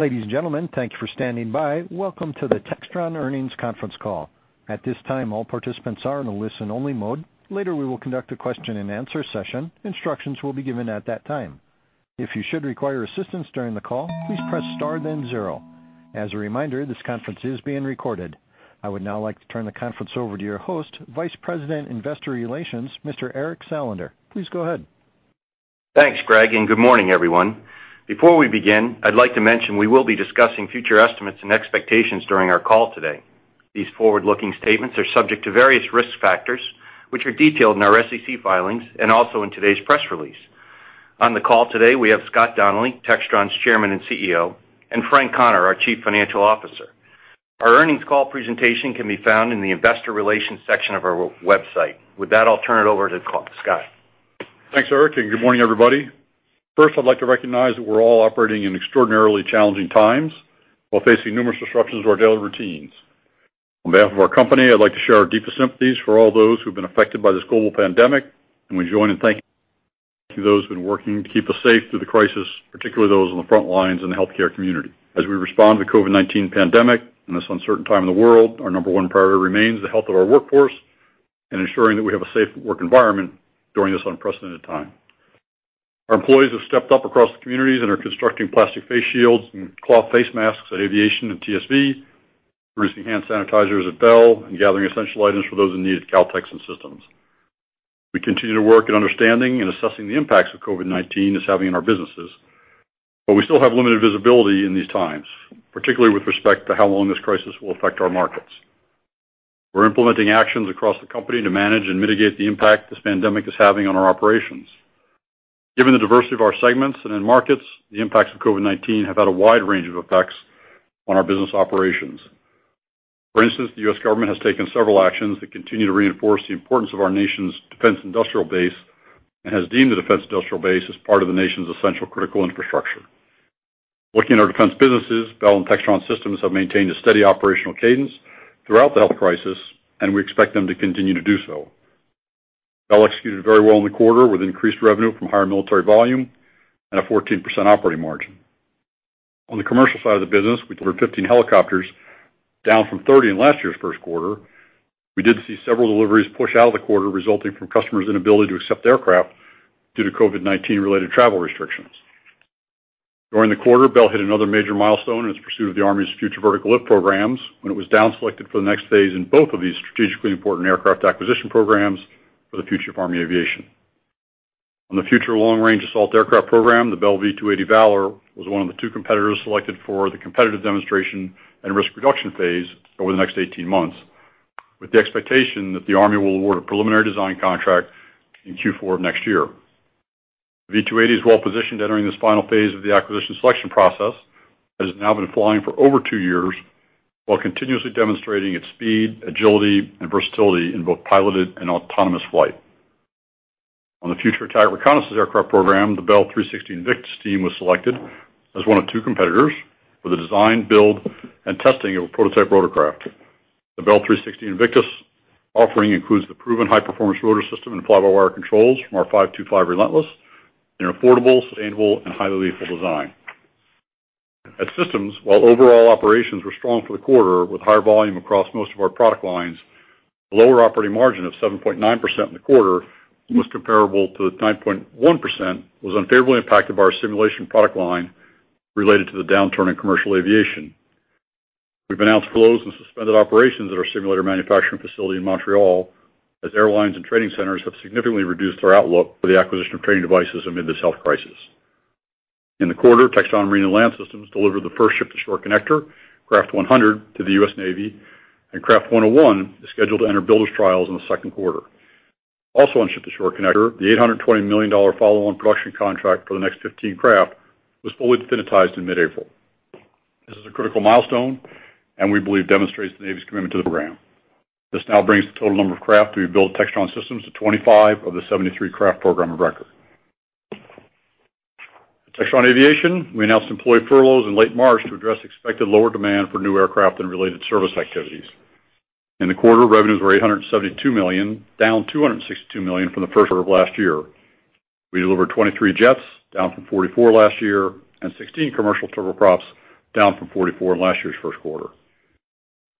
Ladies and gentlemen, thank you for standing by. Welcome to the Textron Earnings Conference Call. At this time, all participants are in a listen-only mode. Later, we will conduct a question-and-answer session. Instructions will be given at that time. If you should require assistance during the call, please press star then zero. As a reminder, this conference is being recorded. I would now like to turn the conference over to your host, Vice President, Investor Relations, Mr. Eric Salander. Please go ahead. Thanks, Greg, and good morning, everyone. Before we begin, I'd like to mention we will be discussing future estimates and expectations during our call today. These forward-looking statements are subject to various risk factors, which are detailed in our SEC filings and also in today's press release. On the call today, we have Scott Donnelly, Textron's Chairman and CEO, and Frank Connor, our Chief Financial Officer. Our earnings call presentation can be found in the investor relations section of our website. With that, I'll turn it over to Scott. Thanks, Eric, and good morning, everybody. First, I'd like to recognize that we're all operating in extraordinarily challenging times while facing numerous disruptions to our daily routines. On behalf of our company, I'd like to share our deepest sympathies for all those who have been affected by this global pandemic, and we join in thanking those who have been working to keep us safe through the crisis, particularly those on the front lines in the healthcare community. As we respond to the COVID-19 pandemic in this uncertain time in the world, our number one priority remains the health of our workforce and ensuring that we have a safe work environment during this unprecedented time. Our employees have stepped up across the communities and are constructing plastic face shields and cloth face masks at aviation and TSV, producing hand sanitizers at Bell, and gathering essential items for those in need at Kautex and Systems. We continue to work in understanding and assessing the impacts of COVID-19 as having in our businesses, but we still have limited visibility in these times, particularly with respect to how long this crisis will affect our markets. We're implementing actions across the company to manage and mitigate the impact this pandemic is having on our operations. Given the diversity of our segments and in markets, the impacts of COVID-19 have had a wide range of effects on our business operations. For instance, the U.S. Government has taken several actions that continue to reinforce the importance of our nation's defense industrial base and has deemed the defense industrial base as part of the nation's essential critical infrastructure. Looking at our defense businesses, Bell and Textron Systems have maintained a steady operational cadence throughout the health crisis, and we expect them to continue to do so. Bell executed very well in the quarter with increased revenue from higher military volume and a 14% operating margin. On the commercial side of the business, we delivered 15 helicopters, down from 30 in last year's first quarter. We did see several deliveries push out of the quarter, resulting from customers' inability to accept aircraft due to COVID-19-related travel restrictions. During the quarter, Bell hit another major milestone in its pursuit of the Army's Future Vertical Lift programs when it was downselected for the next phase in both of these strategically important aircraft acquisition programs for the future of Army aviation. On the Future Long-Range Assault Aircraft program, the Bell V-280 Valor was one of the two competitors selected for the competitive demonstration and risk reduction phase over the next 18 months, with the expectation that the Army will award a preliminary design contract in Q4 of next year. The V-280 is well positioned entering this final phase of the acquisition selection process that has now been flying for over two years while continuously demonstrating its speed, agility, and versatility in both piloted and autonomous flight. On the Future Attack Reconnaissance Aircraft program, the Bell 360 Invictus team was selected as one of two competitors for the design, build, and testing of a prototype rotorcraft. The Bell 360 Invictus offering includes the proven high-performance rotor system and fly-by-wire controls from our 525 Relentless in an affordable, sustainable, and highly lethal design. At Systems, while overall operations were strong for the quarter with higher volume across most of our product lines, the lower operating margin of 7.9% in the quarter, most comparable to the 9.1%, was unfavorably impacted by our simulation product line related to the downturn in commercial aviation. We've announced closed and suspended operations at our simulator manufacturing facility in Montreal as airlines and training centers have significantly reduced their outlook for the acquisition of training devices amid this health crisis. In the quarter, Textron Marine & Land Systems delivered the first Ship-to-Shore Connector, Craft 100, to the U.S. Navy, and Craft 101 is scheduled to enter builders' trials in the second quarter. Also on Ship-to-Shore Connector, the $820 million follow-on production contract for the next 15 craft was fully definitized in mid-April. This is a critical milestone, and we believe demonstrates the Navy's commitment to the program. This now brings the total number of craft we've built at Textron Systems to 25 of the 73 craft program of record. At Textron Aviation, we announced employee furloughs in late March to address expected lower demand for new aircraft and related service activities. In the quarter, revenues were $872 million, down $262 million from the first quarter of last year. We delivered 23 jets, down from 44 last year, and 16 commercial turboprops, down from 44 in last year's first quarter.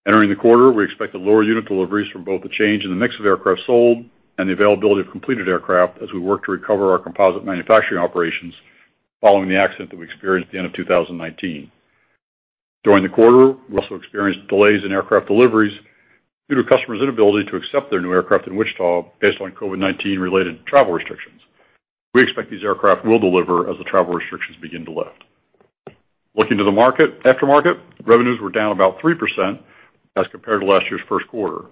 Entering the quarter, we expect the lower unit deliveries from both the change in the mix of aircraft sold and the availability of completed aircraft as we work to recover our composite manufacturing operations following the accident that we experienced at the end of 2019. During the quarter, we also experienced delays in aircraft deliveries due to customers' inability to accept their new aircraft in Wichita based on COVID-19-related travel restrictions. We expect these aircraft will deliver as the travel restrictions begin to lift. Looking to the market, aftermarket revenues were down about 3% as compared to last year's first quarter.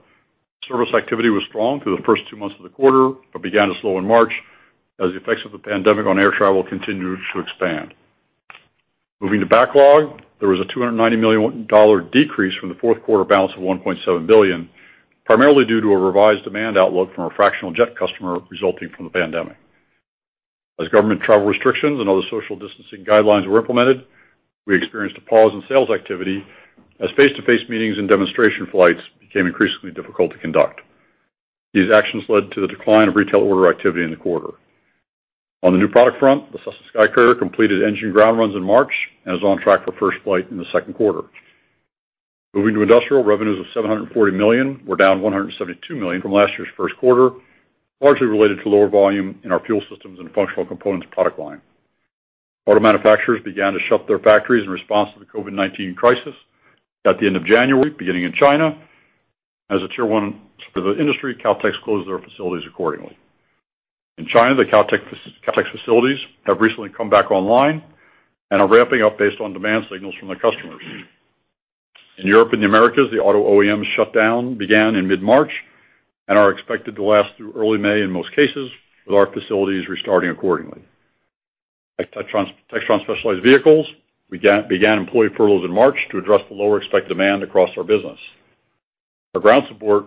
Service activity was strong through the first two months of the quarter but began to slow in March as the effects of the pandemic on air travel continued to expand. Moving to backlog, there was a $290 million decrease from the fourth quarter balance of $1.7 billion, primarily due to a revised demand outlook from a fractional jet customer resulting from the pandemic. As government travel restrictions and other social distancing guidelines were implemented, we experienced a pause in sales activity as face-to-face meetings and demonstration flights became increasingly difficult to conduct. These actions led to the decline of retail order activity in the quarter. On the new product front, the Cessna SkyCourier completed engine ground runs in March and is on track for first flight in the second quarter. Moving to industrial, revenues of $740 million were down $172 million from last year's first quarter, largely related to lower volume in our fuel systems and functional components product line. Auto manufacturers began to shut their factories in response to the COVID-19 crisis at the end of January, beginning in China. As a Tier One for the industry, Kautex closed their facilities accordingly. In China, the Kautex facilities have recently come back online and are ramping up based on demand signals from their customers. In Europe and the Americas, the auto OEM shutdown began in mid-March and are expected to last through early May in most cases, with our facilities restarting accordingly. At Textron Specialized Vehicles, we began employee furloughs in March to address the lower expected demand across our business. Our ground support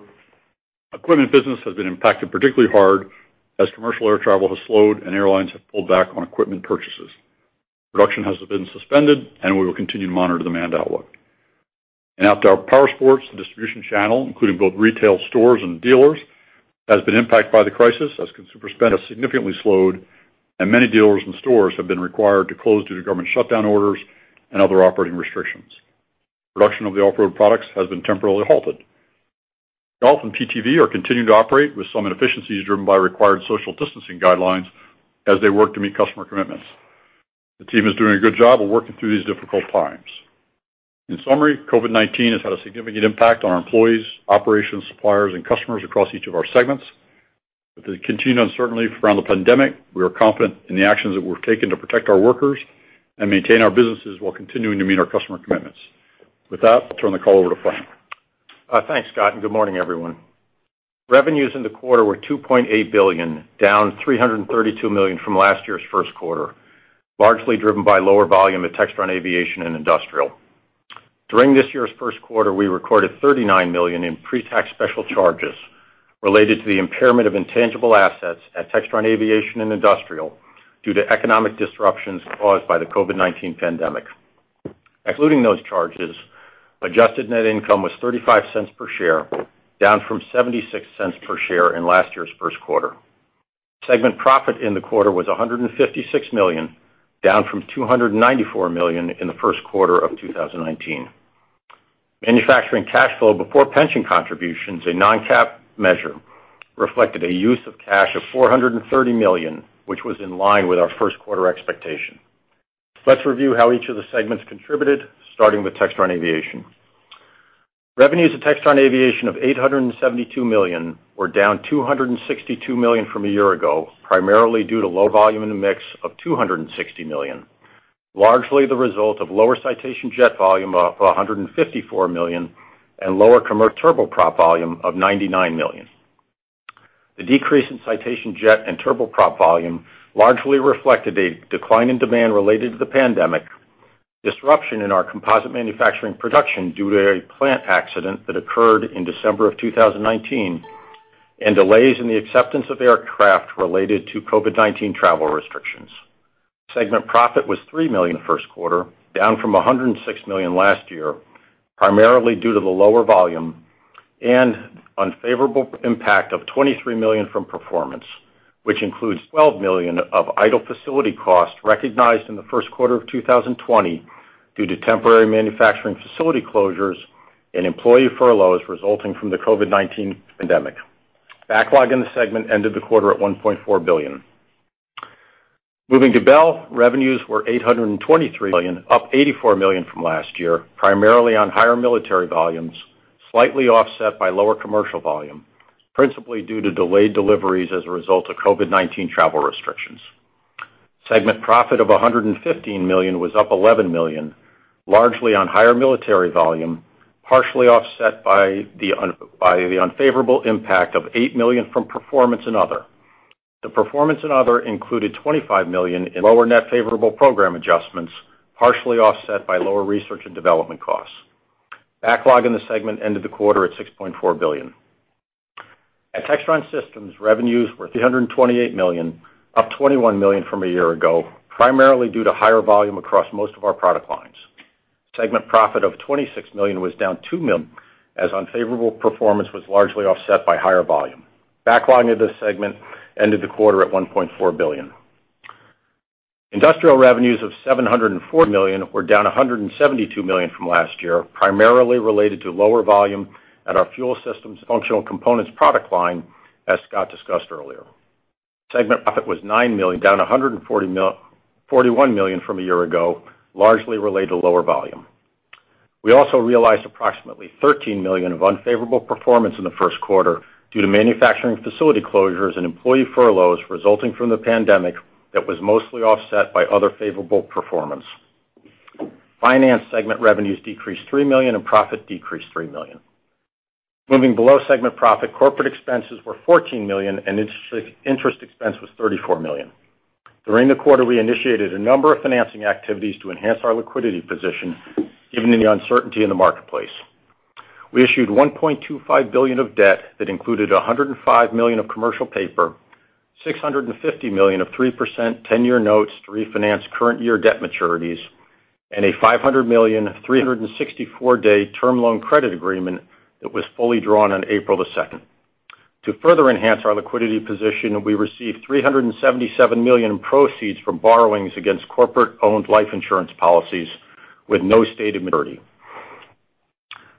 equipment business has been impacted particularly hard as commercial air travel has slowed and airlines have pulled back on equipment purchases. Production has been suspended, and we will continue to monitor demand outlook. In powersports, the distribution channel, including both retail stores and dealers, has been impacted by the crisis as consumer spend has significantly slowed and many dealers and stores have been required to close due to government shutdown orders and other operating restrictions. Production of the off-road products has been temporarily halted. Golf and PTV are continuing to operate with some inefficiencies driven by required social distancing guidelines as they work to meet customer commitments. The team is doing a good job of working through these difficult times. In summary, COVID-19 has had a significant impact on our employees, operations, suppliers, and customers across each of our segments. With the continued uncertainty from the pandemic, we are confident in the actions that we've taken to protect our workers and maintain our businesses while continuing to meet our customer commitments. With that, I'll turn the call over to Frank. Thanks, Scott, and good morning, everyone. Revenues in the quarter were $2.8 billion, down $332 million from last year's first quarter, largely driven by lower volume at Textron Aviation and Industrial. During this year's first quarter, we recorded $39 million in pre-tax special charges related to the impairment of intangible assets at Textron Aviation and Industrial due to economic disruptions caused by the COVID-19 pandemic. Excluding those charges, adjusted net income was $0.35 per share, down from $0.76 per share in last year's first quarter. Segment profit in the quarter was $156 million, down from $294 million in the first quarter of 2019. Manufacturing cash flow before pension contributions, a non-GAAP measure, reflected a use of cash of $430 million, which was in line with our first quarter expectation. Let's review how each of the segments contributed, starting with Textron Aviation. Revenues at Textron Aviation of $872 million were down $262 million from a year ago, primarily due to low volume and the mix of $260 million, largely the result of lower Citation jet volume of $154 million and lower commercial turboprop volume of $99 million. The decrease in Citation jet and turboprop volume largely reflected a decline in demand related to the pandemic, disruption in our composite manufacturing production due to a plant accident that occurred in December of 2019, and delays in the acceptance of aircraft related to COVID-19 travel restrictions. Segment profit was $3 million in the first quarter, down from $106 million last year, primarily due to the lower volume and unfavorable impact of $23 million from performance, which includes $12 million of idle facility costs recognized in the first quarter of 2020 due to temporary manufacturing facility closures and employee furloughs resulting from the COVID-19 pandemic. Backlog in the segment ended the quarter at $1.4 billion. Moving to Bell, revenues were $823 million, up $84 million from last year, primarily on higher military volumes, slightly offset by lower commercial volume, principally due to delayed deliveries as a result of COVID-19 travel restrictions. Segment profit of $115 million was up $11 million, largely on higher military volume, partially offset by the unfavorable impact of $8 million from performance and other. The performance and other included $25 million in lower net favorable program adjustments, partially offset by lower research and development costs. Backlog in the segment ended the quarter at $6.4 billion. At Textron Systems, revenues were $328 million, up $21 million from a year ago, primarily due to higher volume across most of our product lines. Segment profit of $26 million was down $2 million as unfavorable performance was largely offset by higher volume. Backlog in this segment ended the quarter at $1.4 billion. Industrial revenues of $704 million were down $172 million from last year, primarily related to lower volume at our fuel systems and functional components product line, as Scott discussed earlier. Segment profit was $9 million, down $141 million from a year ago, largely related to lower volume. We also realized approximately $13 million of unfavorable performance in the first quarter due to manufacturing facility closures and employee furloughs resulting from the pandemic that was mostly offset by other favorable performance. Finance segment revenues decreased $3 million and profit decreased $3 million. Moving below segment profit, corporate expenses were $14 million and interest expense was $34 million. During the quarter, we initiated a number of financing activities to enhance our liquidity position given the uncertainty in the marketplace. We issued $1.25 billion of debt that included $105 million of commercial paper, $650 million of 3% 10-year notes to refinance current year debt maturities, and a $500 million 364-day term loan credit agreement that was fully drawn on April the 2nd. To further enhance our liquidity position, we received $377 million in proceeds from borrowings against corporate-owned life insurance policies with no stated maturity.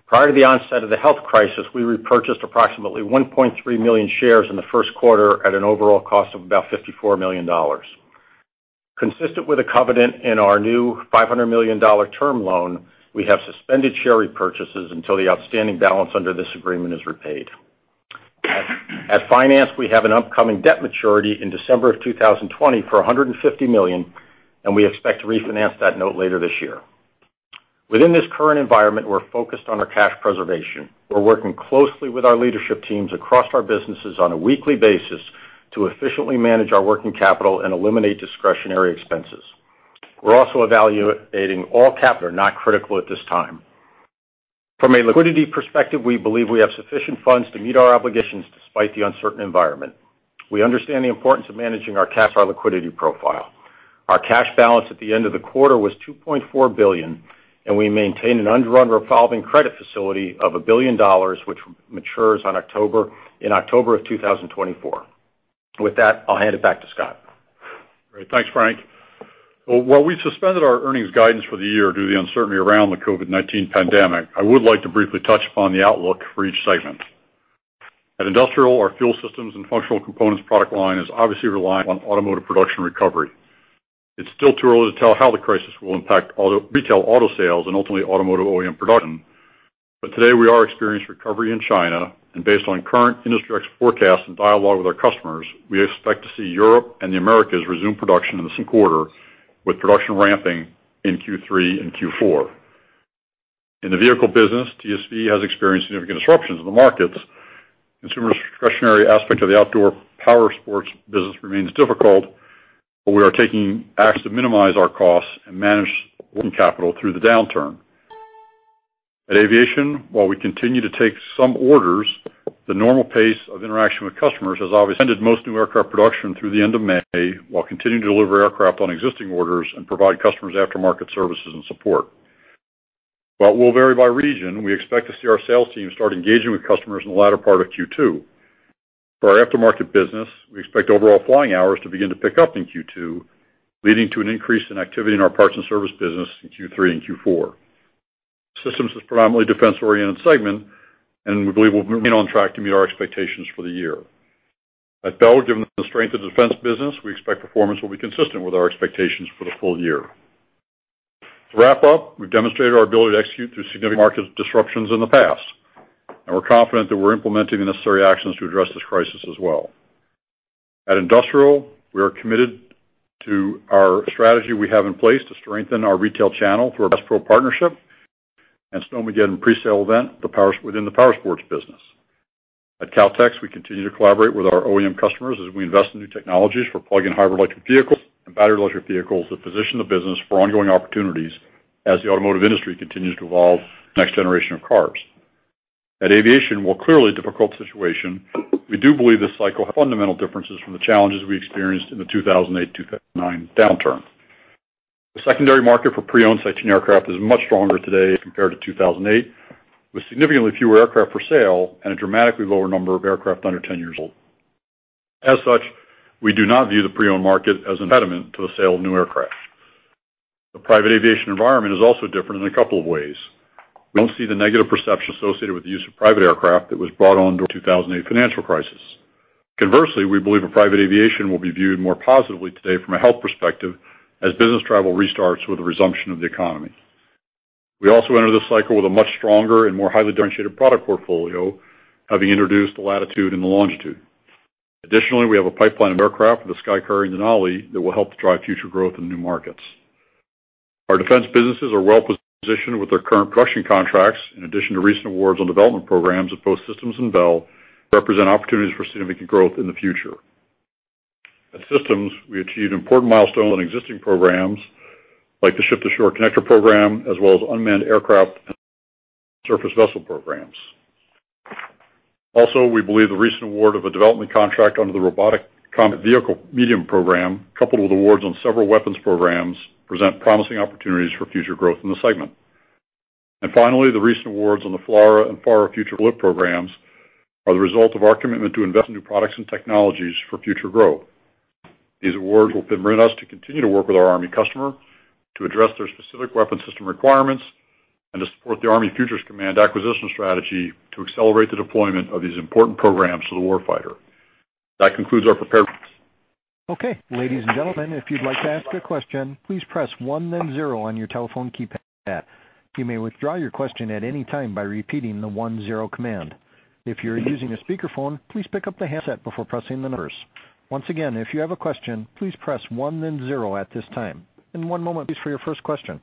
Prior to the onset of the health crisis, we repurchased approximately 1.3 million shares in the first quarter at an overall cost of about $54 million. Consistent with a covenant in our new $500 million term loan, we have suspended share repurchases until the outstanding balance under this agreement is repaid. At Finance, we have an upcoming debt maturity in December of 2020 for $150 million, and we expect to refinance that note later this year. Within this current environment, we're focused on our cash preservation. We're working closely with our leadership teams across our businesses on a weekly basis to efficiently manage our working capital and eliminate discretionary expenses. We're also evaluating all capital that are not critical at this time. From a liquidity perspective, we believe we have sufficient funds to meet our obligations despite the uncertain environment. We understand the importance of managing our cash liquidity profile. Our cash balance at the end of the quarter was $2.4 billion, and we maintain an undrawn revolving credit facility of a billion dollars, which matures in October of 2024. With that, I'll hand it back to Scott. All right. Thanks, Frank. While we suspended our earnings guidance for the year due to the uncertainty around the COVID-19 pandemic, I would like to briefly touch upon the outlook for each segment. At Industrial, our fuel systems and functional components product line is obviously relying on automotive production recovery. It's still too early to tell how the crisis will impact retail auto sales and ultimately automotive OEM production, but today we are experiencing recovery in China, and based on current industry forecasts and dialogue with our customers, we expect to see Europe and the Americas resume production in the second quarter with production ramping in Q3 and Q4. In the vehicle business, TSV has experienced significant disruptions in the markets. Consumer discretionary aspect of the outdoor power sports business remains difficult, but we are taking actions to minimize our costs and manage working capital through the downturn. At Aviation, while we continue to take some orders, the normal pace of interaction with customers has obviously extended most new aircraft production through the end of May while continuing to deliver aircraft on existing orders and provide customers aftermarket services and support. While it will vary by region, we expect to see our sales team start engaging with customers in the latter part of Q2. For our aftermarket business, we expect overall flying hours to begin to pick up in Q2, leading to an increase in activity in our parts and service business in Q3 and Q4. Systems is predominantly a defense-oriented segment, and we believe we'll remain on track to meet our expectations for the year. At Bell, given the strength of the defense business, we expect performance will be consistent with our expectations for the full year. To wrap up, we've demonstrated our ability to execute through significant market disruptions in the past, and we're confident that we're implementing the necessary actions to address this crisis as well. At Industrial, we are committed to our strategy we have in place to strengthen our retail channel through our Bass Pro partnership and Snowmageddon presale event within the power sports business. At Kautex, we continue to collaborate with our OEM customers as we invest in new technologies for plug-in hybrid electric vehicles and battery electric vehicles to position the business for ongoing opportunities as the automotive industry continues to evolve the next generation of cars. At Aviation, while clearly a difficult situation, we do believe this cycle has fundamental differences from the challenges we experienced in the 2008-2009 downturn. The secondary market for pre-owned Citation aircraft is much stronger today compared to 2008, with significantly fewer aircraft for sale and a dramatically lower number of aircraft under 10 years old. As such, we do not view the pre-owned market as an impediment to the sale of new aircraft. The private aviation environment is also different in a couple of ways. We don't see the negative perception associated with the use of private aircraft that was brought on during the 2008 financial crisis. Conversely, we believe private aviation will be viewed more positively today from a health perspective as business travel restarts with the resumption of the economy. We also enter this cycle with a much stronger and more highly differentiated product portfolio, having introduced the Latitude and the Longitude. Additionally, we have a pipeline of aircraft with the SkyCourier and Denali that will help to drive future growth in new markets. Our defense businesses are well-positioned with their current production contracts, in addition to recent awards on development programs that both Systems and Bell represent opportunities for significant growth in the future. At Systems, we achieved important milestones on existing programs like the Ship-to-Shore Connector program, as well as unmanned aircraft and surface vessel programs. Also, we believe the recent award of a development contract under the Robotic Combat Vehicle Medium program, coupled with awards on several weapons programs, presents promising opportunities for future growth in the segment. And finally, the recent awards on the FLRAA and FARA Future Lift programs are the result of our commitment to invest in new products and technologies for future growth. These awards will permit us to continue to work with our Army customer to address their specific weapon system requirements and to support the Army Futures Command acquisition strategy to accelerate the deployment of these important programs to the warfighter. That concludes our prepared comments. Okay. Ladies and gentlemen, if you'd like to ask a question, please press one, then zero on your telephone keypad. You may withdraw your question at any time by repeating the one, zero command. If you're using a speakerphone, please pick up the handset before pressing the numbers. Once again, if you have a question, please press one, then zero at this time. One moment, please, for your first question.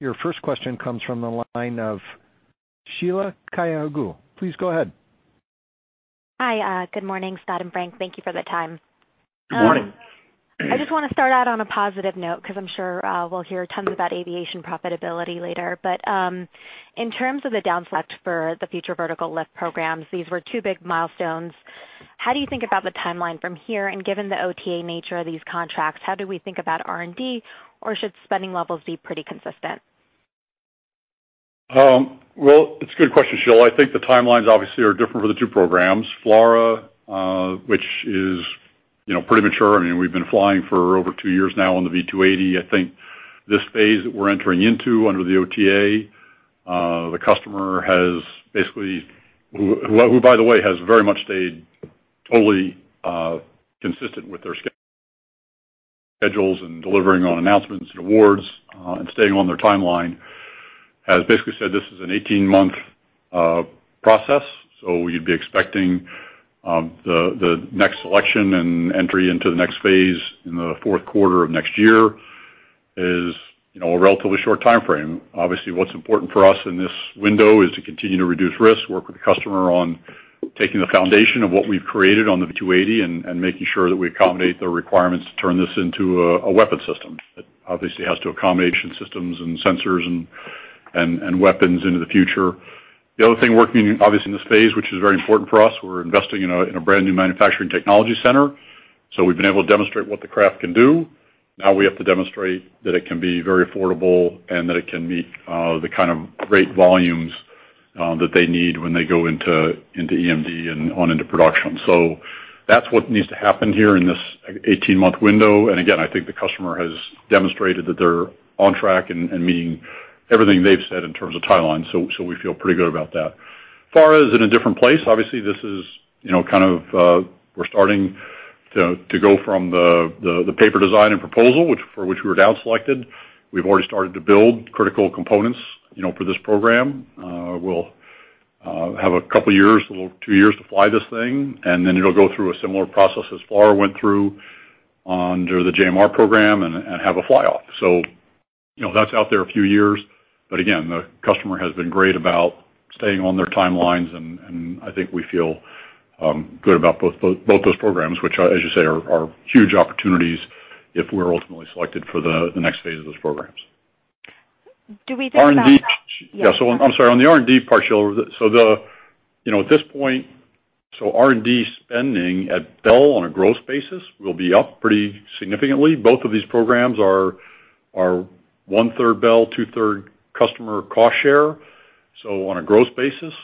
Your first question comes from the line of Sheila Kahyaoglu. Please go ahead. Hi. Good morning, Scott and Frank. Thank you for the time. Good morning. I just want to start out on a positive note because I'm sure we'll hear tons about aviation profitability later, but in terms of the down select for the Future Vertical Lift programs, these were two big milestones. How do you think about the timeline from here, and given the OTA nature of these contracts, how do we think about R&D, or should spending levels be pretty consistent? It's a good question, Sheila. I think the timelines obviously are different for the two programs. FLRAA, which is pretty mature. I mean, we've been flying for over two years now on the V-280. I think this phase that we're entering into under the OTA, the customer has basically, who by the way has very much stayed totally consistent with their schedules and delivering on announcements and awards and staying on their timeline, has basically said, "This is an 18-month process, so you'd be expecting the next selection and entry into the next phase in the fourth quarter of next year is a relatively short timeframe." Obviously, what's important for us in this window is to continue to reduce risk, work with the customer on taking the foundation of what we've created on the V-280 and making sure that we accommodate the requirements to turn this into a weapon system that obviously has to accommodate systems and sensors and weapons into the future. The other thing working, obviously, in this phase, which is very important for us, we're investing in a brand new manufacturing technology center. So we've been able to demonstrate what the craft can do. Now we have to demonstrate that it can be very affordable and that it can meet the kind of rate volumes that they need when they go into EMD and on into production. So that's what needs to happen here in this 18-month window. And again, I think the customer has demonstrated that they're on track and meeting everything they've said in terms of timelines, so we feel pretty good about that. FLRAA is in a different place. Obviously, this is kind of we're starting to go from the paper design and proposal for which we were down selected. We've already started to build critical components for this program. We'll have a couple of years, two years to fly this thing, and then it'll go through a similar process as FARA went through under the JMR program and have a fly-off. So that's out there a few years. But again, the customer has been great about staying on their timelines, and I think we feel good about both those programs, which, as you say, are huge opportunities if we're ultimately selected for the next phase of those programs. Do we discuss? R&D. Yeah. So I'm sorry. On the R&D part, Sheila, so at this point, so R&D spending at Bell on a gross basis will be up pretty significantly. Both of these programs are 1/3 Bell, 2/3 customer cost share. So on a gross basis,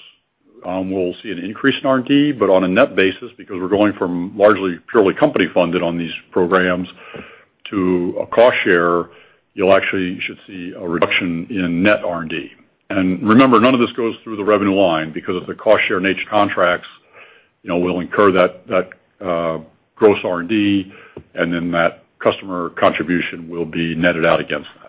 we'll see an increase in R&D, but on a net basis, because we're going from largely purely company-funded on these programs to a cost share, you'll actually should see a reduction in net R&D. And remember, none of this goes through the revenue line because of the cost share nature. Contracts will incur that gross R&D, and then that customer contribution will be netted out against that.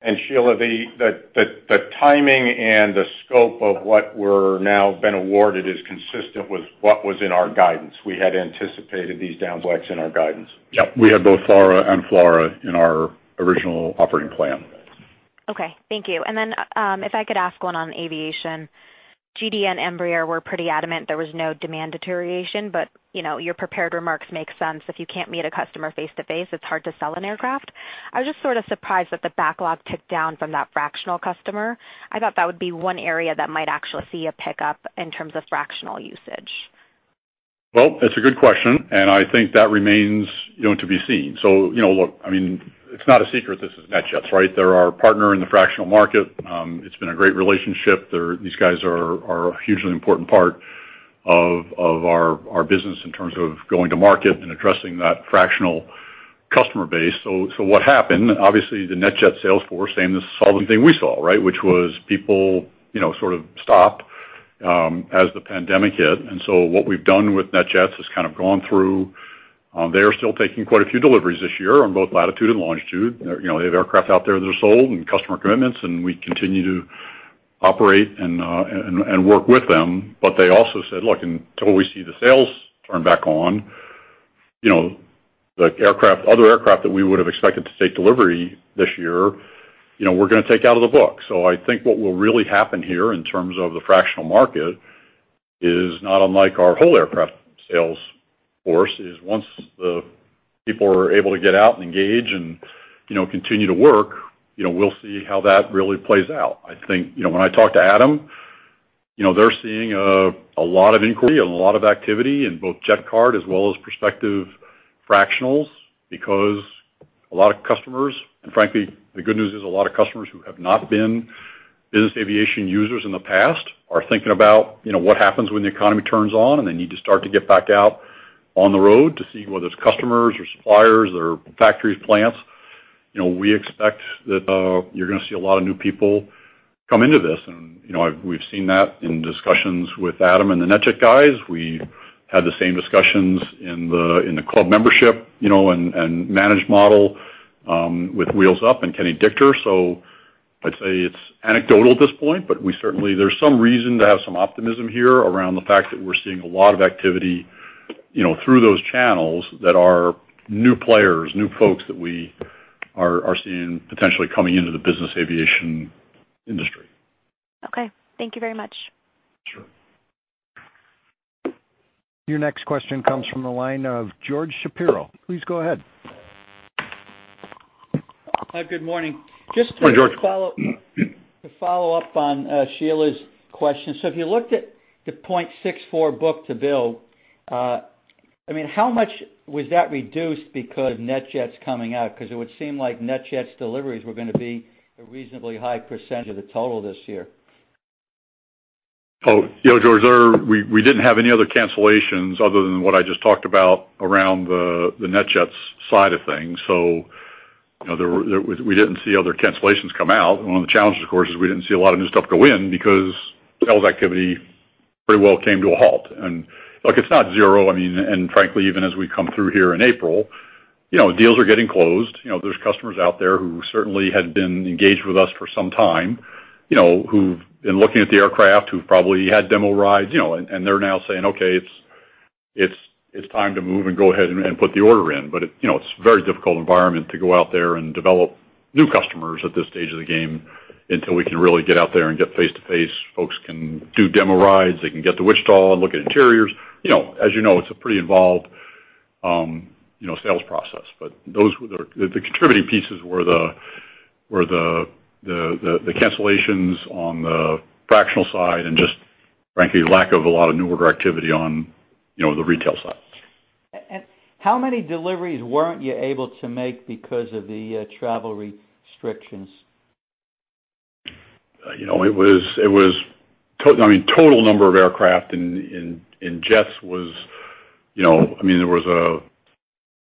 And Sheila, the timing and the scope of what we're now being awarded is consistent with what was in our guidance. We had anticipated these down-selects in our guidance. Yep. We had both FARA and FLRAA in our original operating plan. Okay. Thank you, and then if I could ask one on Aviation, GD and Embraer were pretty adamant there was no demand deterioration, but your prepared remarks make sense. If you can't meet a customer face-to-face, it's hard to sell an aircraft. I was just sort of surprised that the backlog ticked down from that fractional customer. I thought that would be one area that might actually see a pickup in terms of fractional usage. It's a good question, and I think that remains to be seen. So look, I mean, it's not a secret this is NetJets, right? They're our partner in the fractional market. It's been a great relationship. These guys are a hugely important part of our business in terms of going to market and addressing that fractional customer base. So what happened, obviously, the NetJets sales force, same as the selling thing we saw, right, which was people sort of stopped as the pandemic hit. And so what we've done with NetJets has kind of gone through. They are still taking quite a few deliveries this year on both Latitude and Longitude. They have aircraft out there that are sold and customer commitments, and we continue to operate and work with them. But they also said, "Look, until we see the sales turn back on, the other aircraft that we would have expected to take delivery this year, we're going to take out of the book." So I think what will really happen here in terms of the fractional market is not unlike our whole aircraft sales force is once the people are able to get out and engage and continue to work, we'll see how that really plays out. I think when I talk to Adam, they're seeing a lot of inquiry and a lot of activity in both Jetcard as well as prospective fractionals because a lot of customers, and frankly, the good news is a lot of customers who have not been business aviation users in the past are thinking about what happens when the economy turns on and they need to start to get back out on the road to see whether it's customers or suppliers or factories, plants. We expect that you're going to see a lot of new people come into this, and we've seen that in discussions with Adam and the NetJets guys. We had the same discussions in the club membership and managed model with Wheels Up and Kenny Dichter. So I'd say it's anecdotal at this point, but we certainly, there's some reason to have some optimism here around the fact that we're seeing a lot of activity through those channels that are new players, new folks that we are seeing potentially coming into the business aviation industry. Okay. Thank you very much. Your next question comes from the line of George Shapiro. Please go ahead. Hi, good morning. Good morning, George. Just to follow up on Sheila's question, so if you looked at the 0.64 book to Bell, I mean, how much was that reduced because of NetJets coming out? Because it would seem like NetJets' deliveries were going to be a reasonably high percentage of the total this year. Oh, yeah, George, we didn't have any other cancellations other than what I just talked about around the NetJets side of things. So we didn't see other cancellations come out. One of the challenges, of course, is we didn't see a lot of new stuff go in because sales activity pretty well came to a halt. And look, it's not zero. I mean, and frankly, even as we come through here in April, deals are getting closed. There's customers out there who certainly had been engaged with us for some time who've been looking at the aircraft, who've probably had demo rides, and they're now saying, "Okay, it's time to move and go ahead and put the order in." But it's a very difficult environment to go out there and develop new customers at this stage of the game until we can really get out there and get face-to-face. Folks can do demo rides. They can get to Wichita and look at interiors. As you know, it's a pretty involved sales process. But the contributing pieces were the cancellations on the fractional side and just, frankly, lack of a lot of new order activity on the retail side. And how many deliveries weren't you able to make because of the travel restrictions? It was, I mean, total number of aircraft in jets was, I mean, there was a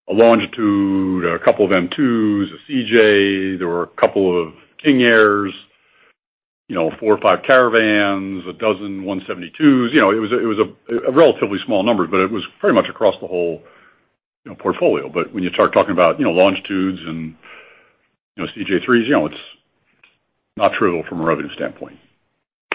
Longitude, a couple of M2s, a CJ, there were a couple of King Airs, four or five Caravans, a dozen 172s. It was a relatively small number, but it was pretty much across the whole portfolio, but when you start talking about Longitudes and CJ3s, it's not true from a revenue standpoint.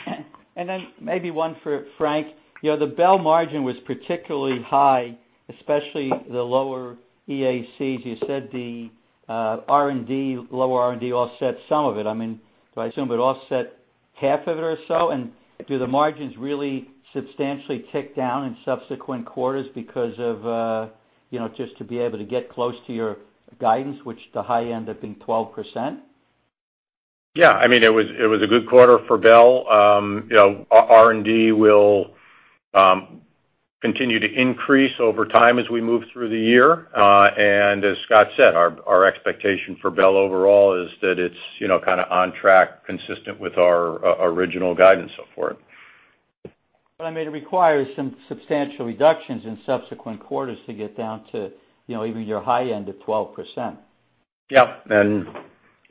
Okay. And then maybe one for Frank. The Bell margin was particularly high, especially the lower EACs. You said the lower R&D offset some of it. I mean, do I assume it offset half of it or so? And do the margins really substantially tick down in subsequent quarters because of just to be able to get close to your guidance, which the high end of being 12%? Yeah. I mean, it was a good quarter for Bell. R&D will continue to increase over time as we move through the year. And as Scott said, our expectation for Bell overall is that it's kind of on track, consistent with our original guidance so far. But I mean, it requires some substantial reductions in subsequent quarters to get down to even your high end of 12%. Yeah. And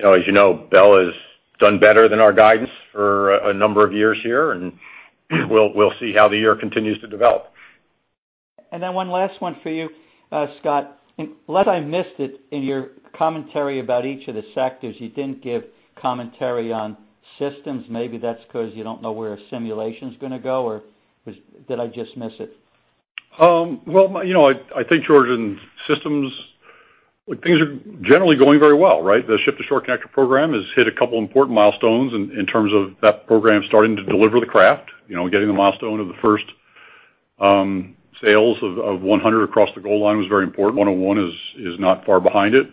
as you know, Bell has done better than our guidance for a number of years here, and we'll see how the year continues to develop. And then one last one for you, Scott. Unless I missed it in your commentary about each of the sectors, you didn't give commentary on Systems. Maybe that's because you don't know where simulation is going to go, or did I just miss it? I think, George, in systems, things are generally going very well, right? The Ship-to-Shore Connector program has hit a couple of important milestones in terms of that program starting to deliver the craft. Getting the milestone of the first sales of 100 across the goal line was very important. 101 is not far behind it.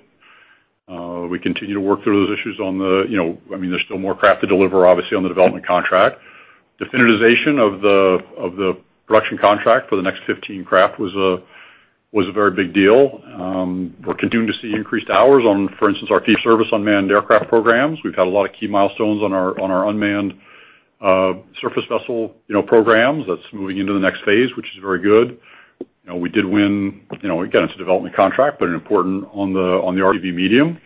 We continue to work through those issues on the, I mean, there's still more craft to deliver, obviously, on the development contract. Definitization of the production contract for the next 15 craft was a very big deal. We're continuing to see increased hours on, for instance, our key service unmanned aircraft programs. We've had a lot of key milestones on our unmanned surface vessel programs. That's moving into the next phase, which is very good. We did win. Again, it's a development contract, but an important one on the RCV medium.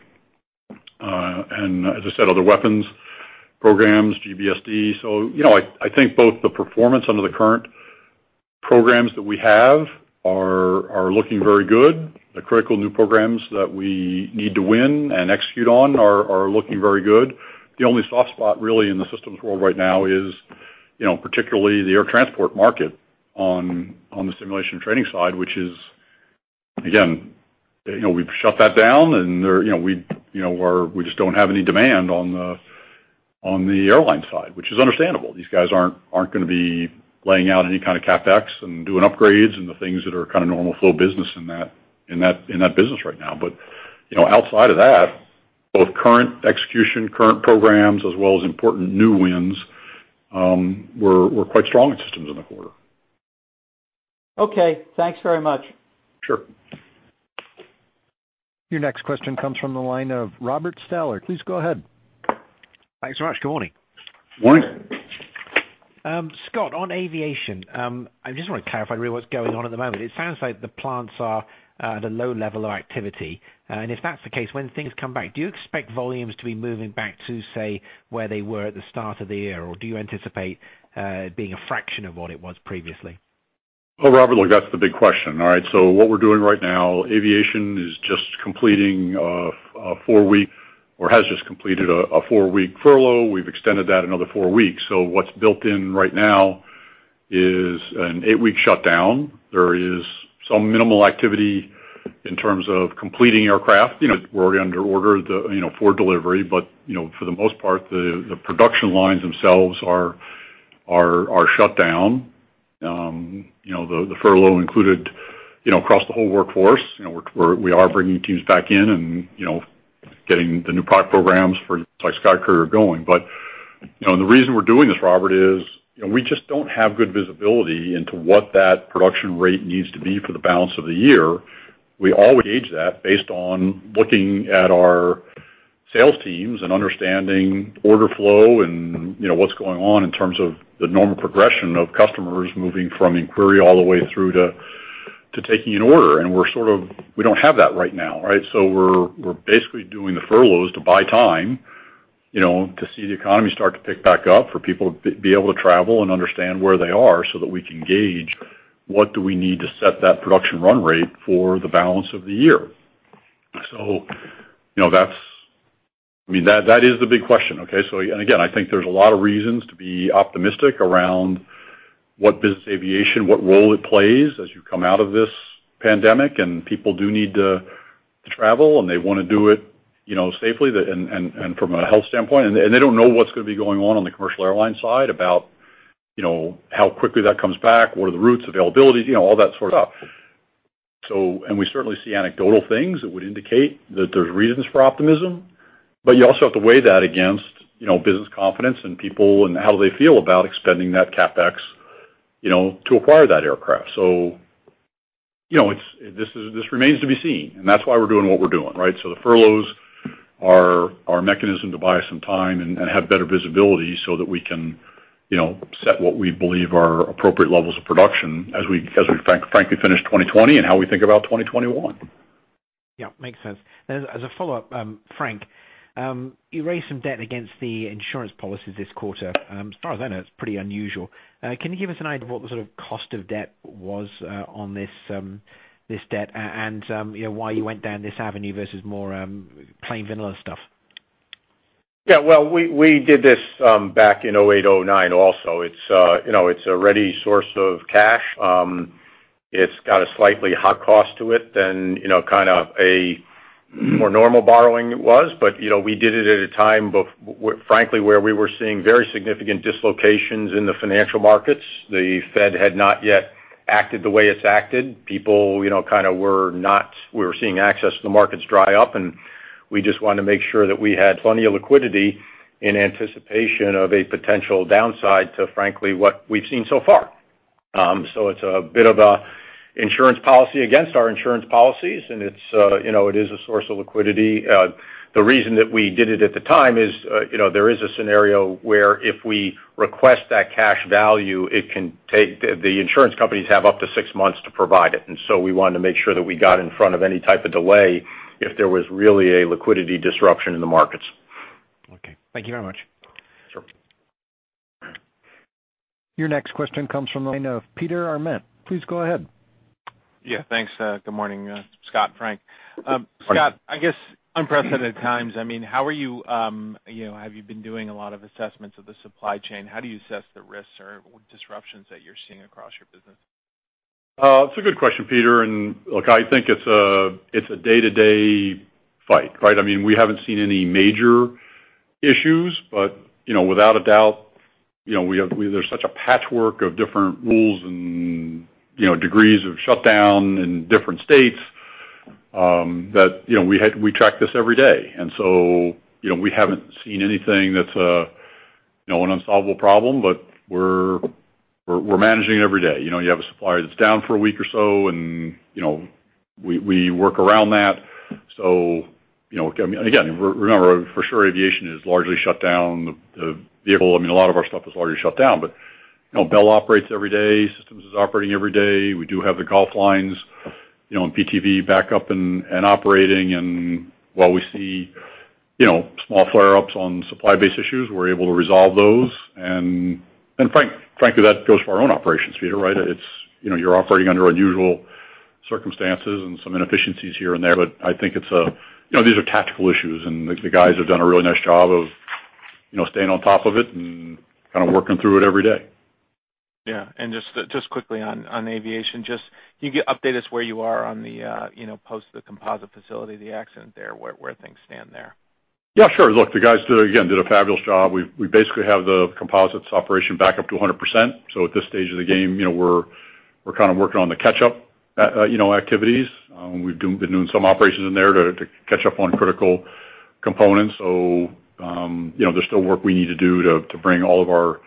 And as I said, other weapons programs, GBSD. So I think both the performance under the current programs that we have are looking very good. The critical new programs that we need to win and execute on are looking very good. The only soft spot really in the systems world right now is particularly the air transport market on the simulation training side, which is, again, we've shut that down, and we just don't have any demand on the airline side, which is understandable. These guys aren't going to be laying out any kind of CapEx and doing upgrades and the things that are kind of normal flow business in that business right now. But outside of that, both current execution, current programs, as well as important new wins, we're quite strong in systems in the quarter. Okay. Thanks very much. Sure. Your next question comes from the line of Robert Stallard. Please go ahead. Thanks so much. Good morning. Morning. Scott, on aviation, I just want to clarify really what's going on at the moment. It sounds like the plants are at a low level of activity. And if that's the case, when things come back, do you expect volumes to be moving back to, say, where they were at the start of the year, or do you anticipate being a fraction of what it was previously? Well, Robert, look, that's the big question, all right? So what we're doing right now, aviation is just completing a four-week or has just completed a four-week furlough. We've extended that another four weeks. So what's built in right now is an eight-week shutdown. There is some minimal activity in terms of completing aircraft. We're already under order for delivery, but for the most part, the production lines themselves are shut down. The furlough included across the whole workforce. We are bringing teams back in and getting the new product programs for, like SkyCourier are going. But the reason we're doing this, Robert, is we just don't have good visibility into what that production rate needs to be for the balance of the year. We always gauge that based on looking at our sales teams and understanding order flow and what's going on in terms of the normal progression of customers moving from inquiry all the way through to taking an order. And we're sort of, we don't have that right now, right? So we're basically doing the furloughs to buy time to see the economy start to pick back up for people to be able to travel and understand where they are so that we can gauge what do we need to set that production run rate for the balance of the year. So I mean, that is the big question, okay? And again, I think there's a lot of reasons to be optimistic around what business aviation, what role it plays as you come out of this pandemic, and people do need to travel, and they want to do it safely and from a health standpoint. And they don't know what's going to be going on on the commercial airline side about how quickly that comes back, what are the routes, availability, all that sort of stuff. And we certainly see anecdotal things that would indicate that there's reasons for optimism, but you also have to weigh that against business confidence and people and how they feel about expending that CapEx to acquire that aircraft. So this remains to be seen, and that's why we're doing what we're doing, right? So the furloughs are our mechanism to buy some time and have better visibility so that we can set what we believe are appropriate levels of production as we, frankly, finish 2020 and how we think about 2021. Yeah. Makes sense. As a follow-up, Frank, you raised some debt against the insurance policies this quarter. As far as I know, it's pretty unusual. Can you give us an idea of what the sort of cost of debt was on this debt and why you went down this avenue versus more plain vanilla stuff? Yeah. Well, we did this back in 2008, 2009 also. It's a ready source of cash. It's got a slightly higher cost to it than kind of a more normal borrowing. It was, but we did it at a time, frankly, where we were seeing very significant dislocations in the financial markets. The Fed had not yet acted the way it's acted. People kind of were not. We were seeing access to the markets dry up, and we just wanted to make sure that we had plenty of liquidity in anticipation of a potential downside to, frankly, what we've seen so far. So it's a bit of an insurance policy against our insurance policies, and it is a source of liquidity. The reason that we did it at the time is there a scenario where, if we request that cash value, it can take. The insurance companies have up to six months to provide it, and so we wanted to make sure that we got in front of any type of delay if there was really a liquidity disruption in the markets. Okay. Thank you very much. Your next question comes from the line of Peter Arment. Please go ahead. Yeah. Thanks. Good morning, Scott, Frank. Scott, I guess unprecedented times. I mean, how are you? Have you been doing a lot of assessments of the supply chain? How do you assess the risks or disruptions that you're seeing across your business? It's a good question, Peter. And look, I think it's a day-to-day fight, right? I mean, we haven't seen any major issues, but without a doubt, there's such a patchwork of different rules and degrees of shutdown in different states that we track this every day. And so we haven't seen anything that's an unsolvable problem, but we're managing it every day. You have a supplier that's down for a week or so, and we work around that. So again, remember, for sure, Aviation is largely shut down. I mean, a lot of our stuff is already shut down, but Bell operates every day. Systems is operating every day. We do have the golf lines and PTV backup and operating. And while we see small flare-ups on supply-based issues, we're able to resolve those. And frankly, that goes for our own operations, Peter, right? You're operating under unusual circumstances and some inefficiencies here and there, but I think these are tactical issues, and the guys have done a really nice job of staying on top of it and kind of working through it every day. Yeah, and just quickly on Aviation, just you can update us where you are on the post, the composite facility, the accident there, where things stand there? Yeah. Sure. Look, the guys, again, did a fabulous job. We basically have the composites operation back up to 100%. So at this stage of the game, we're kind of working on the catch-up activities. We've been doing some operations in there to catch up on critical components. So there's still work we need to do to bring all of our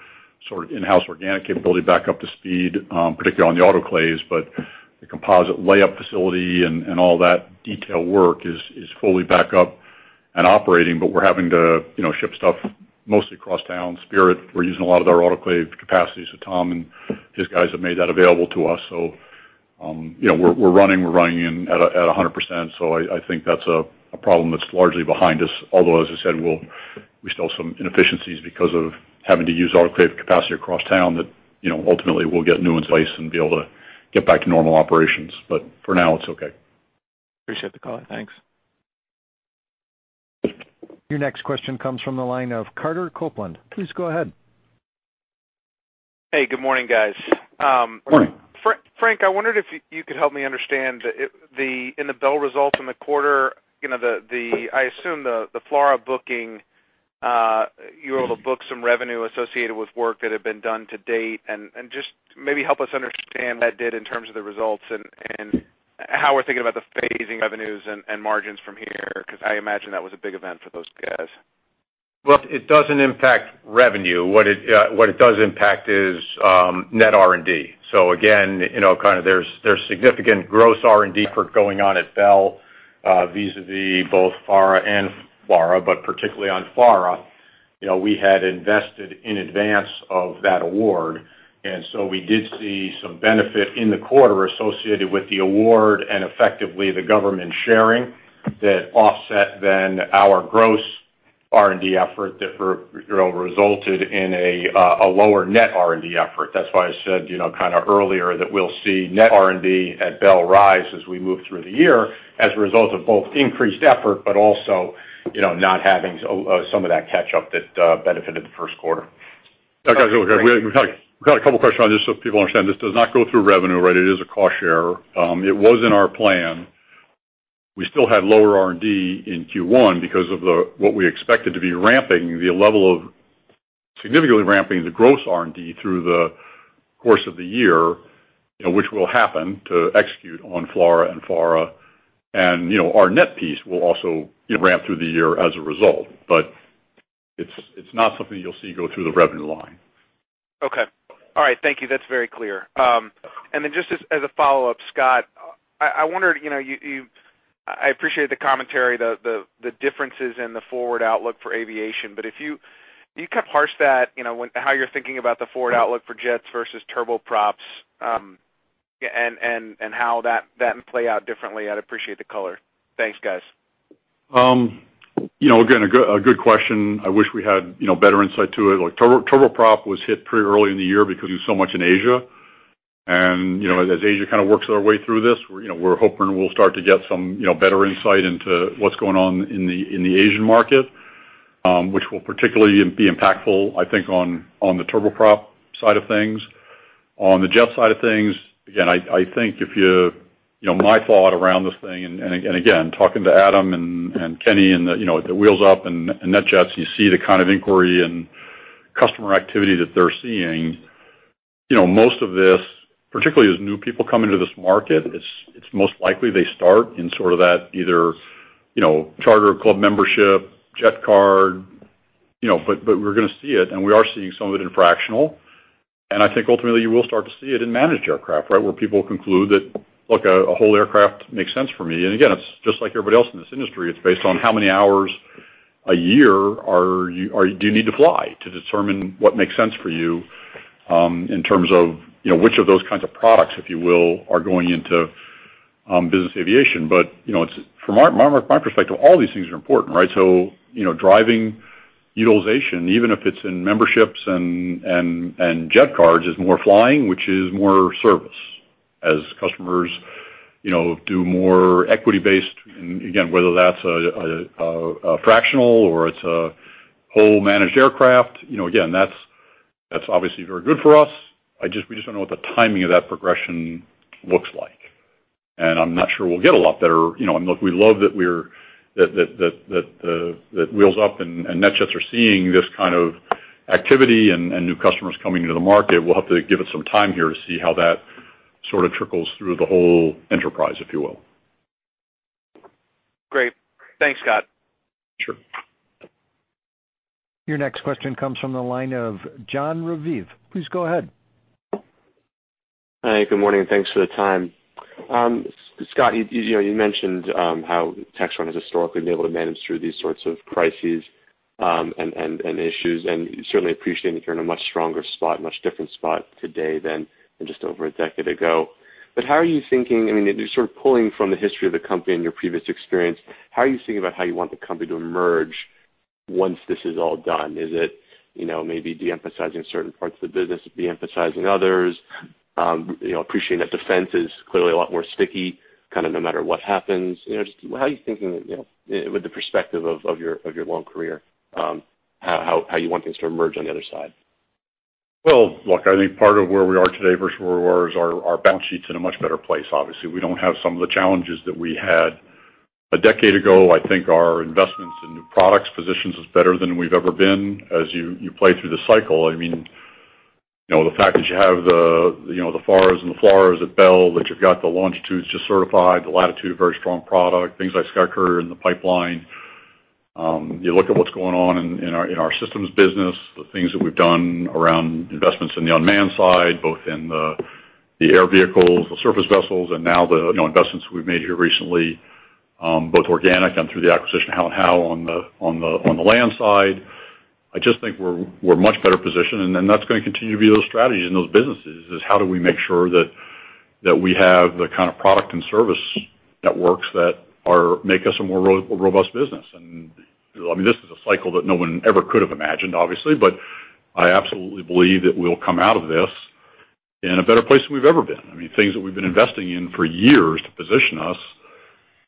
sort of in-house organic capability back up to speed, particularly on the autoclaves. But the composite layup facility and all that detailed work is fully back up and operating, but we're having to ship stuff mostly across town. Spirit, we're using a lot of our autoclave capacity, so Tom and his guys have made that available to us. So we're running at 100%. So I think that's a problem that's largely behind us. Although, as I said, we still have some inefficiencies because of having to use autoclave capacity across town that ultimately will get new in place and be able to get back to normal operations, but for now, it's okay. Appreciate the call. Thanks. Your next question comes from the line of Carter Copeland. Please go ahead. Hey. Good morning, guys. Good morning. Frank, I wondered if you could help me understand, in the Bell results in the quarter, I assume the FLRAA booking, you were able to book some revenue associated with work that had been done to date. And just maybe help us understand what that did in terms of the results and how we're thinking about the phasing revenues and margins from here because I imagine that was a big event for those guys. Well, it doesn't impact revenue. What it does impact is net R&D, so again, kind of, there's significant gross R&D effort going on at Bell vis-a-vis both FARA and FLRAA, but particularly on FLRAA. We had invested in advance of that award, and so we did see some benefit in the quarter associated with the award and effectively the government sharing that offset to our gross R&D effort that resulted in a lower net R&D effort. That's why I said kind of earlier that we'll see net R&D at Bell rise as we move through the year as a result of both increased effort, but also not having some of that catch-up that benefited the first quarter. Okay. We've got a couple of questions on this. So people understand this does not go through revenue, right? It is a cost share. It was in our plan. We still had lower R&D in Q1 because of what we expected to be ramping the level of significantly ramping the gross R&D through the course of the year, which will happen to execute on FARA and FLRAA. And our net piece will also ramp through the year as a result, but it's not something you'll see go through the revenue line. Okay. All right. Thank you. That's very clear, and then just as a follow-up, Scott, I appreciate the commentary, the differences in the forward outlook for Aviation, but if you could parse that, how you're thinking about the forward outlook for jets versus turboprops and how that may play out differently? I'd appreciate the color. Thanks, guys. Again, a good question. I wish we had better insight to it. Turboprop was hit pretty early in the year because we do so much in Asia, and as Asia kind of works their way through this, we're hoping we'll start to get some better insight into what's going on in the Asian market, which will particularly be impactful, I think, on the turboprop side of things. On the jet side of things, again, I think if you my thought around this thing, and again, talking to Adam and Kenny and Wheels Up and NetJets, you see the kind of inquiry and customer activity that they're seeing. Most of this, particularly as new people come into this market, it's most likely they start in sort of that either charter club membership, jet card, but we're going to see it, and we are seeing some of it in fractional. And I think ultimately you will start to see it in managed aircraft, right, where people conclude that, "Look, a whole aircraft makes sense for me." And again, it's just like everybody else in this industry. It's based on how many hours a year do you need to fly to determine what makes sense for you in terms of which of those kinds of products, if you will, are going into business aviation. But from my perspective, all these things are important, right? So driving utilization, even if it's in memberships and jet cards, is more flying, which is more service as customers do more equity-based. And again, whether that's a fractional or it's a whole managed aircraft, again, that's obviously very good for us. We just don't know what the timing of that progression looks like, and I'm not sure we'll get a lot better. Look, we love that Wheels Up and NetJets are seeing this kind of activity and new customers coming into the market. We'll have to give it some time here to see how that sort of trickles through the whole enterprise, if you will. Great. Thanks, Scott. Sure. Your next question comes from the line of Jon Raviv. Please go ahead. Hi. Good morning. Thanks for the time. Scott, you mentioned how Textron has historically been able to manage through these sorts of crises and issues, and certainly appreciating that you're in a much stronger spot, much different spot today than just over a decade ago. But how are you thinking? I mean, sort of pulling from the history of the company and your previous experience, how are you thinking about how you want the company to emerge once this is all done? Is it maybe de-emphasizing certain parts of the business, de-emphasizing others? Appreciating that defense is clearly a lot more sticky kind of no matter what happens. How are you thinking with the perspective of your long career, how you want things to emerge on the other side? Well, look, I think part of where we are today versus where we were is our balance sheet's in a much better place, obviously. We don't have some of the challenges that we had a decade ago. I think our investments in new products positions us better than we've ever been as you play through the cycle. I mean, the fact that you have the FARA and the FLRAA at Bell, that you've got the Longitudes just certified, the Latitude a very strong product, things like SkyCourier in the pipeline. You look at what's going on in our systems business, the things that we've done around investments in the unmanned side, both in the air vehicles, the surface vessels, and now the investments we've made here recently, both organic and through the acquisition of Howe & Howe on the land side. I just think we're much better positioned, and that's going to continue to be those strategies in those businesses is how do we make sure that we have the kind of product and service networks that make us a more robust business. And I mean, this is a cycle that no one ever could have imagined, obviously, but I absolutely believe that we'll come out of this in a better place than we've ever been. I mean, things that we've been investing in for years to position us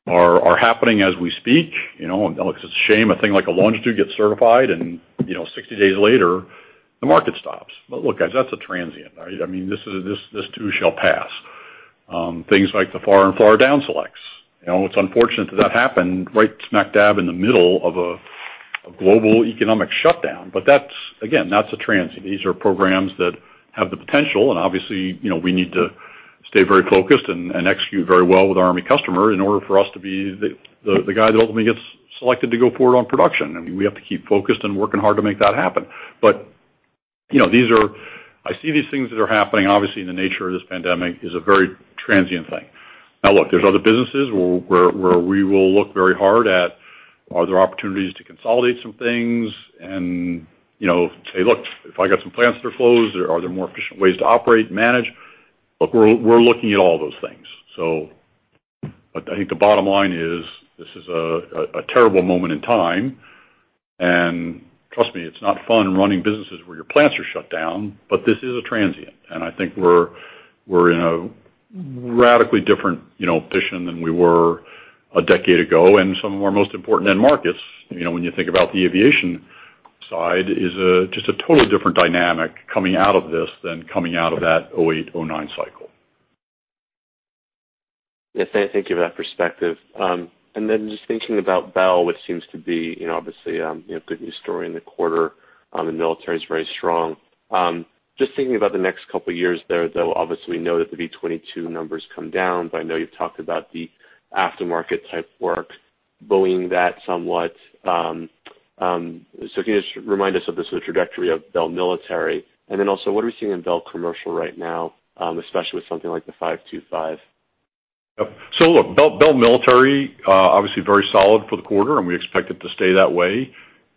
are happening as we speak. It's a shame a thing like a Longitude gets certified, and 60 days later, the market stops. But look, guys, that's a transient, right? I mean, this too shall pass. Things like the FARA and FLRAA down-selects. It's unfortunate that that happened right smack dab in the middle of a global economic shutdown, but again, that's a transient. These are programs that have the potential, and obviously, we need to stay very focused and execute very well with our Army customer in order for us to be the guy that ultimately gets selected to go forward on production. I mean, we have to keep focused and working hard to make that happen. But I see these things that are happening, obviously, in the nature of this pandemic is a very transient thing. Now, look, there's other businesses where we will look very hard at, are there opportunities to consolidate some things and say, "Look, if I got some plants that are closed, are there more efficient ways to operate, manage?" Look, we're looking at all those things. But I think the bottom line is this is a terrible moment in time. And trust me, it's not fun running businesses where your plants are shut down, but this is a transient. And I think we're in a radically different position than we were a decade ago. And some of our most important end markets, when you think about the aviation side, is just a totally different dynamic coming out of this than coming out of that 2008, 2009 cycle. Yeah. Thank you for that perspective. And then just thinking about Bell, which seems to be obviously a good news story in the quarter. The military is very strong. Just thinking about the next couple of years there, though, obviously, we know that the V-22 numbers come down, but I know you've talked about the aftermarket type work, Boeing that somewhat. So can you just remind us of the trajectory of Bell Military? And then also, what are we seeing in Bell Commercial right now, especially with something like the 525? So look, Bell Military obviously very solid for the quarter, and we expect it to stay that way.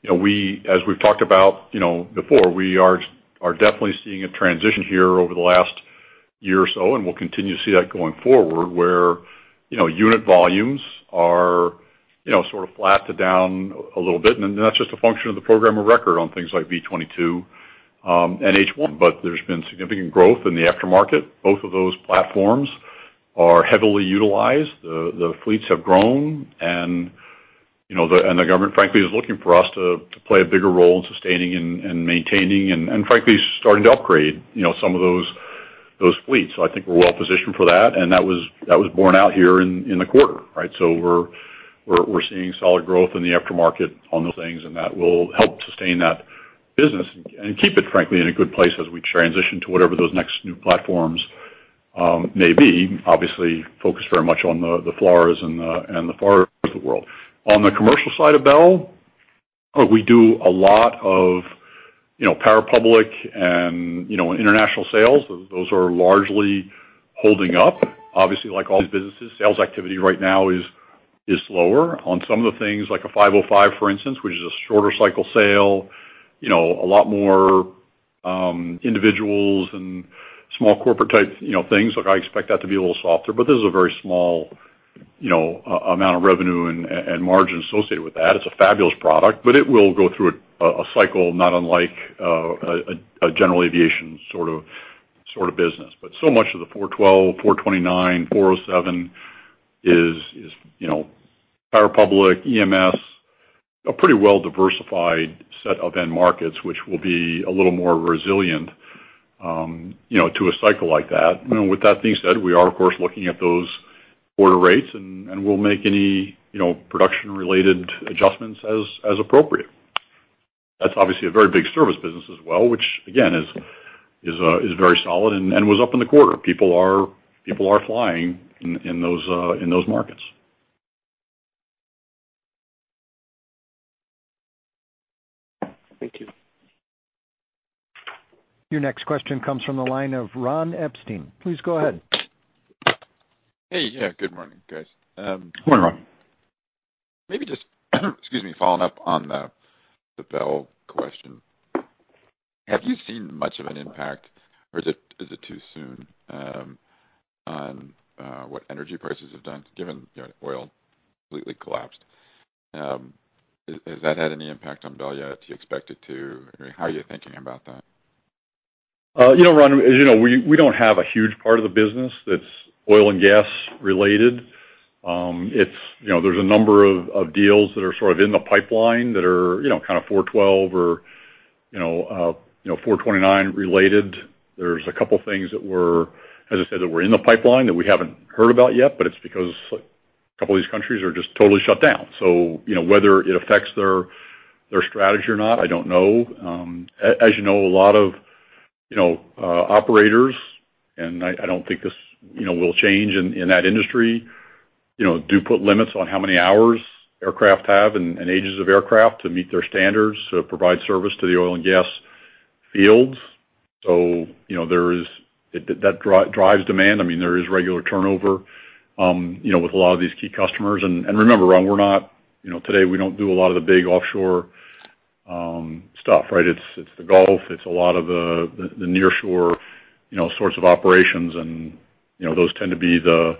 As we've talked about before, we are definitely seeing a transition here over the last year or so, and we'll continue to see that going forward where unit volumes are sort of flat to down a little bit. And that's just a function of the program of record on things like V-22 and H-1, but there's been significant growth in the aftermarket. Both of those platforms are heavily utilized. The fleets have grown, and the government, frankly, is looking for us to play a bigger role in sustaining and maintaining and frankly, starting to upgrade some of those fleets. So I think we're well positioned for that, and that was borne out here in the quarter, right? So we're seeing solid growth in the aftermarket on those things, and that will help sustain that business and keep it, frankly, in a good place as we transition to whatever those next new platforms may be, obviously focused very much on the FLRAAs and the FARA of the world. On the commercial side of Bell, we do a lot of parapublic and international sales. Those are largely holding up. Obviously, like all these businesses, sales activity right now is slower on some of the things like a 505, for instance, which is a shorter cycle sale, a lot more individuals and small corporate-type things. I expect that to be a little softer, but this is a very small amount of revenue and margin associated with that. It's a fabulous product, but it will go through a cycle not unlike a general aviation sort of business. But so much of the 412, 429, 407 is parapublic, EMS, a pretty well-diversified set of end markets, which will be a little more resilient to a cycle like that. With that being said, we are, of course, looking at those order rates, and we'll make any production-related adjustments as appropriate. That's obviously a very big service business as well, which, again, is very solid and was up in the quarter. People are flying in those markets. Your next question comes from the line of Ron Epstein. Please go ahead. Hey. Yeah. Good morning, guys. Good morning, Ron. Maybe just, excuse me, following up on the Bell question. Have you seen much of an impact, or is it too soon on what energy prices have done, given oil completely collapsed? Has that had any impact on Bell yet? Do you expect it to? How are you thinking about that? You know, Ron, as you know, we don't have a huge part of the business that's oil and gas related. There's a number of deals that are sort of in the pipeline that are kind of 412 or 429 related. There's a couple of things that were, as I said, that were in the pipeline that we haven't heard about yet, but it's because a couple of these countries are just totally shut down. So whether it affects their strategy or not, I don't know. As you know, a lot of operators, and I don't think this will change in that industry, do put limits on how many hours aircraft have and ages of aircraft to meet their standards to provide service to the oil and gas fields. So that drives demand. I mean, there is regular turnover with a lot of these key customers. And remember, Ron, we're not today, we don't do a lot of the big offshore stuff, right? It's the Gulf. It's a lot of the nearshore sorts of operations, and those tend to be the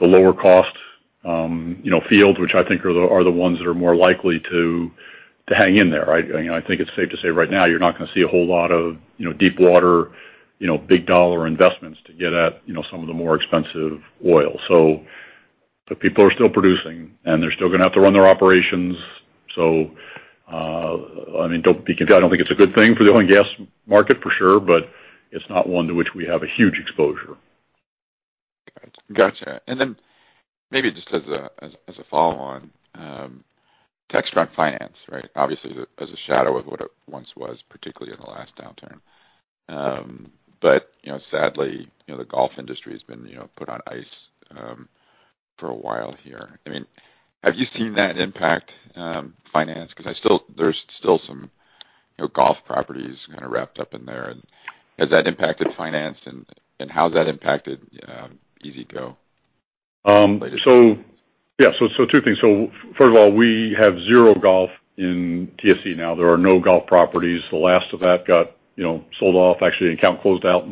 lower-cost fields, which I think are the ones that are more likely to hang in there, right? I think it's safe to say right now you're not going to see a whole lot of deep-water big-dollar investments to get at some of the more expensive oil. So people are still producing, and they're still going to have to run their operations. So I mean, don't be confused. I don't think it's a good thing for the oil and gas market, for sure, but it's not one to which we have a huge exposure. Gotcha. And then maybe just as a follow-on, Textron Finance, right? Obviously, as a shadow of what it once was, particularly in the last downturn. But sadly, the golf industry has been put on ice for a while here. I mean, have you seen that impact finance? Because there's still some golf properties kind of wrapped up in there. Has that impacted finance, and how has that impacted E-Z-GO? So yeah, so two things. So first of all, we have zero golf in TSV now. There are no golf properties. The last of that got sold off, actually, and account closed out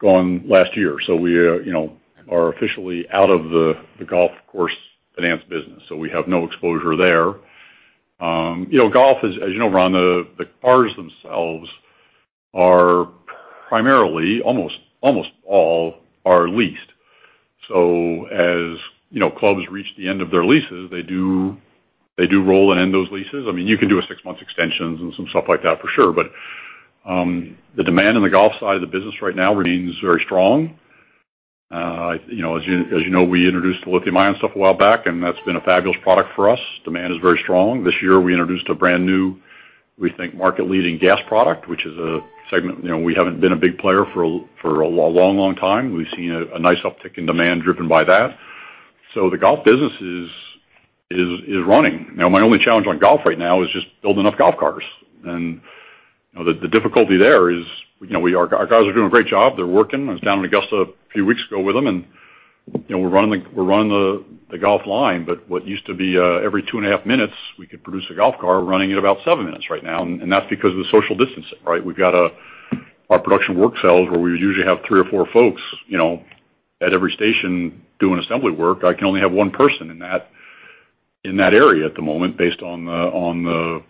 last year. So we are officially out of the golf course finance business. So we have no exposure there. Golf, as you know, Ron, the cars themselves are primarily, almost all, are leased. So as clubs reach the end of their leases, they do roll and end those leases. I mean, you can do a six-month extension and some stuff like that, for sure. But the demand on the golf side of the business right now remains very strong. As you know, we introduced the lithium-ion stuff a while back, and that's been a fabulous product for us. Demand is very strong. This year, we introduced a brand new, we think, market-leading gas product, which is a segment we haven't been a big player for a long, long time. We've seen a nice uptick in demand driven by that, so the golf business is running. Now, my only challenge on golf right now is just building enough golf cars, and the difficulty there is our cars are doing a great job. They're working. I was down in Augusta a few weeks ago with them, and we're running the golf line, but what used to be every two and a half minutes, we could produce a golf car, running in about seven minutes right now, and that's because of the social distancing, right? We've got our production work cells where we usually have three or four folks at every station doing assembly work. I can only have one person in that area at the moment based on the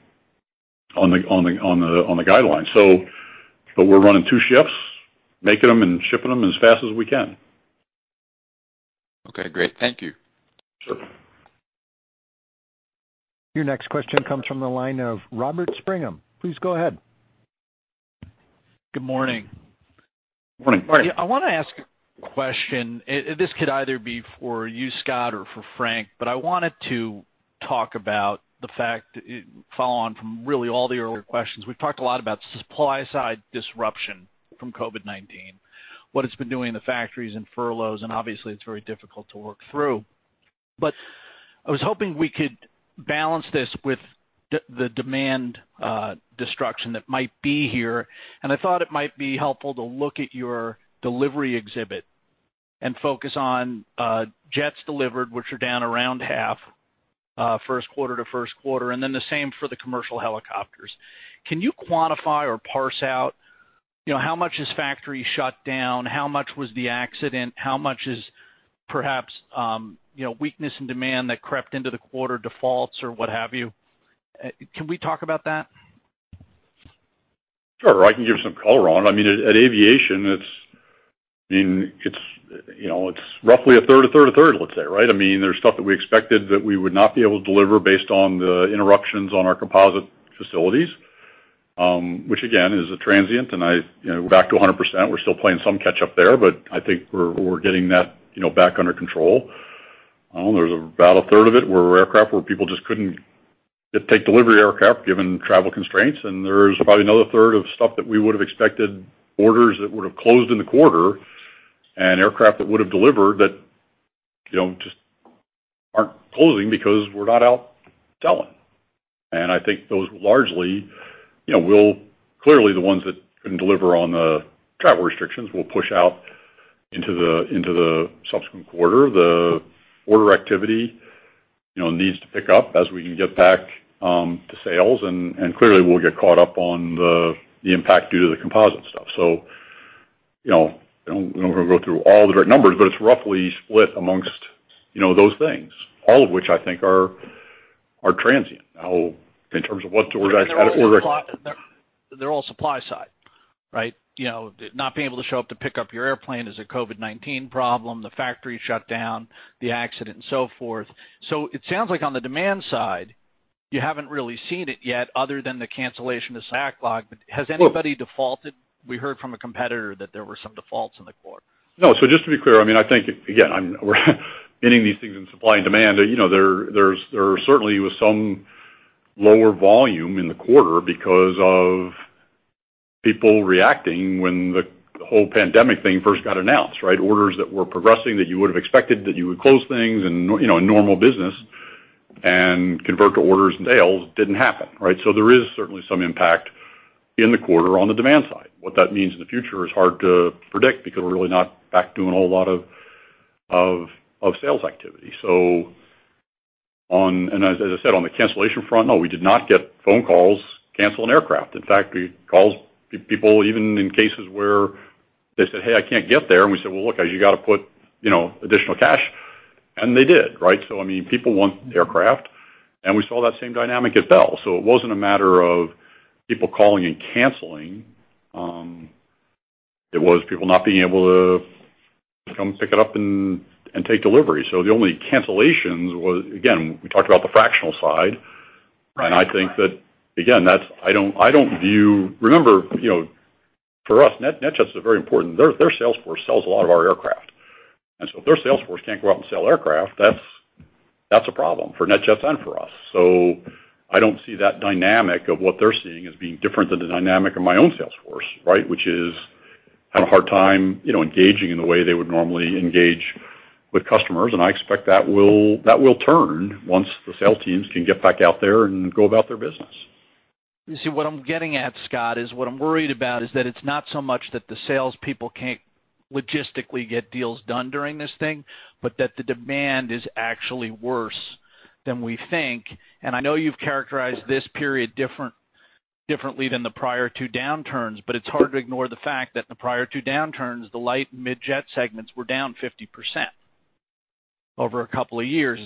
guidelines, but we're running two shifts, making them and shipping them as fast as we can. Okay. Great. Thank you. Your next question comes from the line of Robert Spingarn. Please go ahead. Good morning. Morning. I want to ask a question. This could either be for you, Scott, or for Frank, but I wanted to talk about the fact that following from really all the earlier questions, we've talked a lot about supply-side disruption from COVID-19, what it's been doing in the factories and furloughs, and obviously, it's very difficult to work through, but I was hoping we could balance this with the demand destruction that might be here, and I thought it might be helpful to look at your delivery exhibit and focus on jets delivered, which are down around half, first quarter to first quarter, and then the same for the commercial helicopters. Can you quantify or parse out how much is factory shut down? How much was the accident? How much is perhaps weakness in demand that crept into the quarter defaults or what have you? Can we talk about that? Sure. I can give you some color, Ron. I mean, at aviation, I mean, it's roughly a third, a third, a third, let's say, right? I mean, there's stuff that we expected that we would not be able to deliver based on the interruptions on our composite facilities, which, again, is a transient, and back to 100%, we're still playing some catch-up there, but I think we're getting that back under control. There's about a third of it where aircraft where people just couldn't take delivery aircraft given travel constraints, and there's probably another third of stuff that we would have expected orders that would have closed in the quarter and aircraft that would have delivered that just aren't closing because we're not out selling, and I think those largely will clearly the ones that couldn't deliver on the travel restrictions will push out into the subsequent quarter. The order activity needs to pick up as we can get back to sales. And clearly, we'll get caught up on the impact due to the composite stuff. So we don't want to go through all the direct numbers, but it's roughly split amongst those things, all of which I think are transient. Now, in terms of what's order activity. They're all supply-side, right? Not being able to show up to pick up your airplane is a COVID-19 problem, the factory shut down, and so forth. So it sounds like on the demand side, you haven't really seen it yet other than the cancellation of backlog. But has anybody defaulted? We heard from a competitor that there were some defaults in the quarter. No. So just to be clear, I mean, I think, again, we're hitting these things in supply and demand. There certainly was some lower volume in the quarter because of people reacting when the whole pandemic thing first got announced, right? Orders that were progressing that you would have expected that you would close things and normal business and convert to orders. Sales didn't happen, right? So there is certainly some impact in the quarter on the demand side. What that means in the future is hard to predict because we're really not back doing a whole lot of sales activity. And as I said, on the cancellation front, no, we did not get phone calls canceling aircraft. In fact, we called people even in cases where they said, "Hey, I can't get there." And we said, "Well, look, you got to put additional cash." And they did, right? So, I mean, people want aircraft. And we saw that same dynamic at Bell. So it wasn't a matter of people calling and canceling. It was people not being able to come pick it up and take delivery. So the only cancellations was, again, we talked about the fractional side. And I think that, again, I don't view remember, for us, NetJets is very important. Their sales force sells a lot of our aircraft. And so if their sales force can't go out and sell aircraft, that's a problem for NetJets and for us. So I don't see that dynamic of what they're seeing as being different than the dynamic of my own sales force, right, which is having a hard time engaging in the way they would normally engage with customers. I expect that will turn once the sales teams can get back out there and go about their business. You see, what I'm getting at, Scott, is what I'm worried about is that it's not so much that the salespeople can't logistically get deals done during this thing, but that the demand is actually worse than we think. And I know you've characterized this period differently than the prior two downturns, but it's hard to ignore the fact that in the prior two downturns, the light and mid-jet segments were down 50% over a couple of years.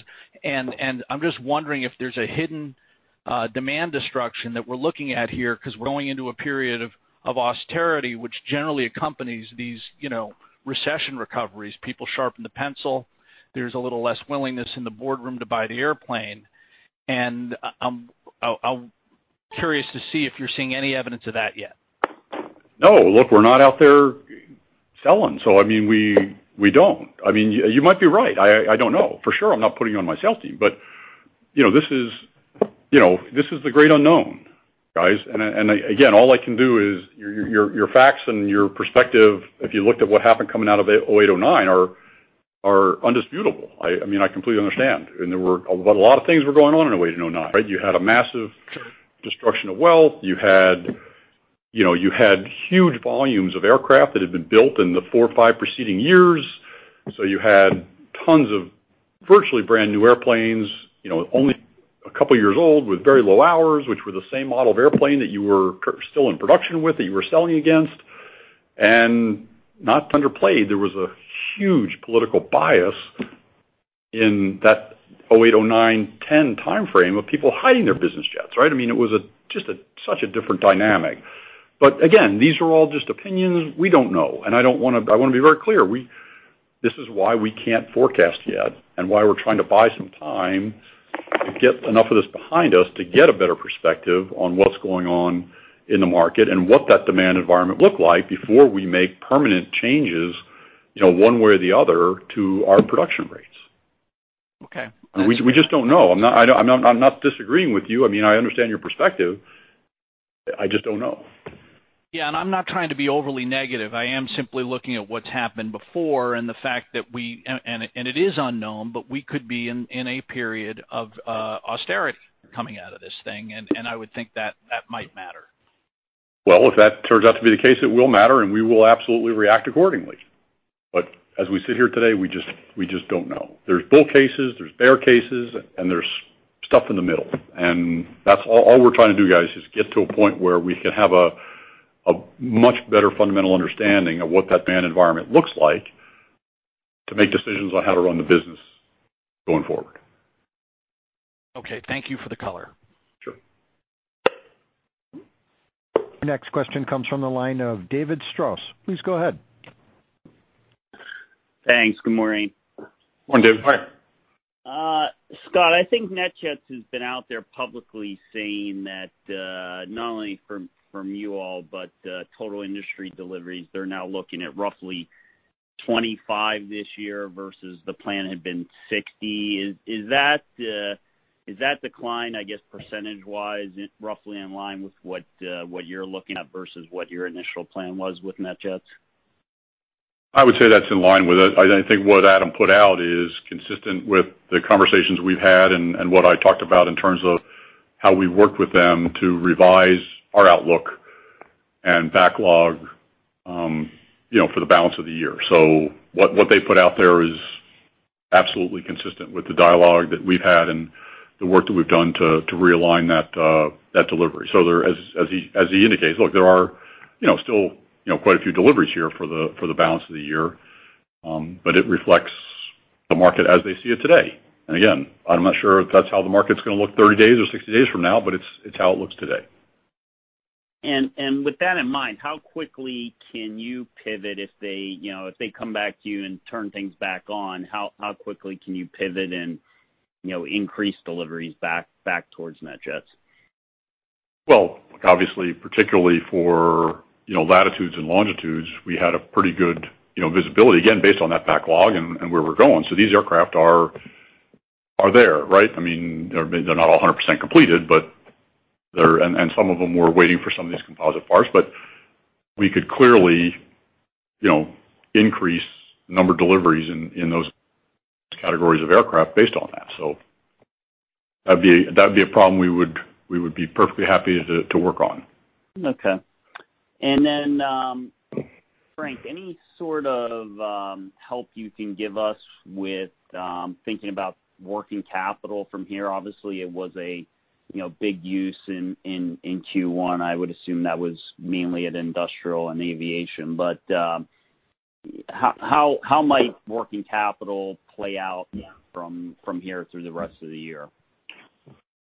And I'm just wondering if there's a hidden demand destruction that we're looking at here because we're going into a period of austerity, which generally accompanies these recession recoveries. People sharpen the pencil. There's a little less willingness in the boardroom to buy the airplane. And I'm curious to see if you're seeing any evidence of that yet. No. Look, we're not out there selling. So I mean, we don't. I mean, you might be right. I don't know. For sure, I'm not putting you on my sales team. But this is the great unknown, guys. And again, all I can do is your facts and your perspective, if you looked at what happened coming out of 2008, 2009, are undisputable. I mean, I completely understand. But a lot of things were going on in 2008, 2009, right? You had a massive destruction of wealth. You had huge volumes of aircraft that had been built in the four or five preceding years. So you had tons of virtually brand new airplanes, only a couple of years old with very low hours, which were the same model of airplane that you were still in production with, that you were selling against. And not underplayed, there was a huge political bias in that 2008, 2009, 2010 timeframe of people hiding their business jets, right? I mean, it was just such a different dynamic. But again, these are all just opinions. We don't know. And I want to be very clear. This is why we can't forecast yet and why we're trying to buy some time to get enough of this behind us to get a better perspective on what's going on in the market and what that demand environment looked like before we make permanent changes one way or the other to our production rates. We just don't know. I'm not disagreeing with you. I mean, I understand your perspective. I just don't know. Yeah. And I'm not trying to be overly negative. I am simply looking at what's happened before and the fact that we, and it is unknown, but we could be in a period of austerity coming out of this thing. And I would think that that might matter. Well, if that turns out to be the case, it will matter, and we will absolutely react accordingly, but as we sit here today, we just don't know. There's bull cases, there's bear cases, and there's stuff in the middle, and that's all we're trying to do, guys, is get to a point where we can have a much better fundamental understanding of what that demand environment looks like to make decisions on how to run the business going forward. Okay. Thank you for the color. Next question comes from the line of David Strauss. Please go ahead. Thanks. Good morning. Morning, David. Hi. Scott, I think NetJets has been out there publicly saying that not only from you all, but total industry deliveries, they're now looking at roughly 25 this year versus the plan had been 60. Is that decline, I guess, percentage-wise, roughly in line with what you're looking at versus what your initial plan was with NetJets? I would say that's in line with it. I think what Adam put out is consistent with the conversations we've had and what I talked about in terms of how we've worked with them to revise our outlook and backlog for the balance of the year, so what they put out there is absolutely consistent with the dialogue that we've had and the work that we've done to realign that delivery, so as he indicates, look, there are still quite a few deliveries here for the balance of the year, but it reflects the market as they see it today, and again, I'm not sure if that's how the market's going to look 30 days or 60 days from now, but it's how it looks today. And with that in mind, how quickly can you pivot if they come back to you and turn things back on? How quickly can you pivot and increase deliveries back toward NetJets? Obviously, particularly for Latitude and Longitude, we had a pretty good visibility, again, based on that backlog and where we're going. So these aircraft are there, right? I mean, they're not all 100% completed, and some of them were waiting for some of these composite parts. But we could clearly increase the number of deliveries in those categories of aircraft based on that. So that'd be a problem we would be perfectly happy to work on. Okay. And then, Frank, any sort of help you can give us with thinking about working capital from here? Obviously, it was a big use in Q1. I would assume that was mainly at Industrial and Aviation. But how might working capital play out from here through the rest of the year?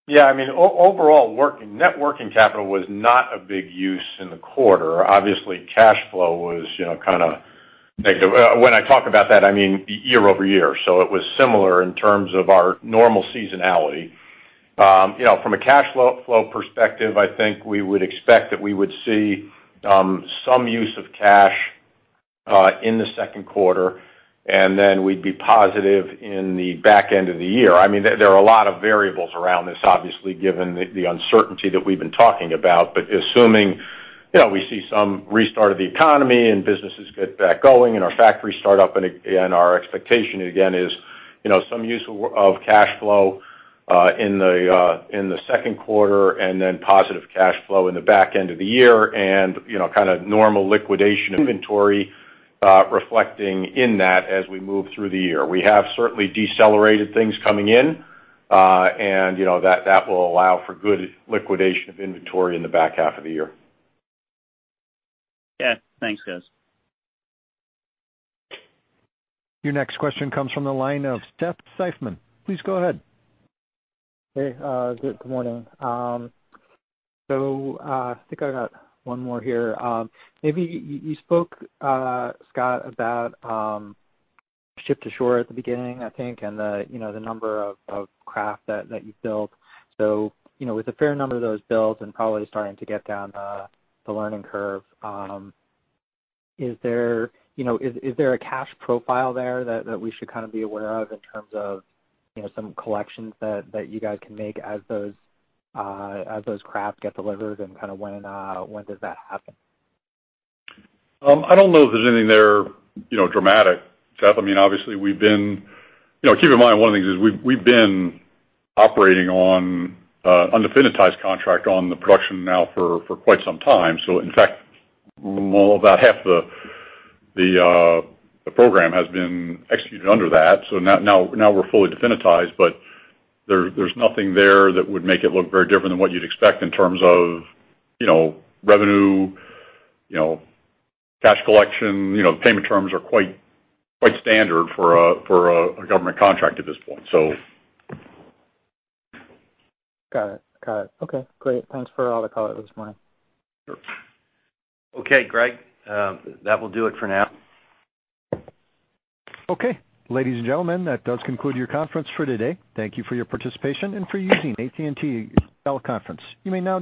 Yeah. I mean, overall, net working capital was not a big use in the quarter. Obviously, cash flow was kind of negative. When I talk about that, I mean year-over-year. So it was similar in terms of our normal seasonality. From a cash flow perspective, I think we would expect that we would see some use of cash in the second quarter, and then we'd be positive in the back end of the year. I mean, there are a lot of variables around this, obviously, given the uncertainty that we've been talking about. But assuming we see some restart of the economy and businesses get back going and our factories start up, and our expectation again is some use of cash flow in the second quarter and then positive cash flow in the back end of the year and kind of normal liquidation. Inventory reflecting in that as we move through the year. We have certainly decelerated things coming in, and that will allow for good liquidation of inventory in the back half of the year. Yeah. Thanks, guys. Your next question comes from the line of Seth Seifman. Please go ahead. Hey. Good morning. So I think I got one more here. Maybe you spoke, Scott, about Ship-to-Shore at the beginning, I think, and the number of craft that you built. So with a fair number of those built and probably starting to get down the learning curve, is there a cash profile there that we should kind of be aware of in terms of some collections that you guys can make as those craft get delivered? And kind of when does that happen? I don't know if there's anything there dramatic. I mean, obviously, keep in mind, one of the things is we've been operating on an undefinitized contract on the production now for quite some time. So in fact, more about half the program has been executed under that. So now we're fully definitized, but there's nothing there that would make it look very different than what you'd expect in terms of revenue, cash collection. The payment terms are quite standard for a government contract at this point, so. Got it. Got it. Okay. Great. Thanks for all the color this morning. Sure. Okay, Greg. That will do it for now. Okay. Ladies and gentlemen, that does conclude your conference for today. Thank you for your participation and for using AT&T TeleConference. You may now.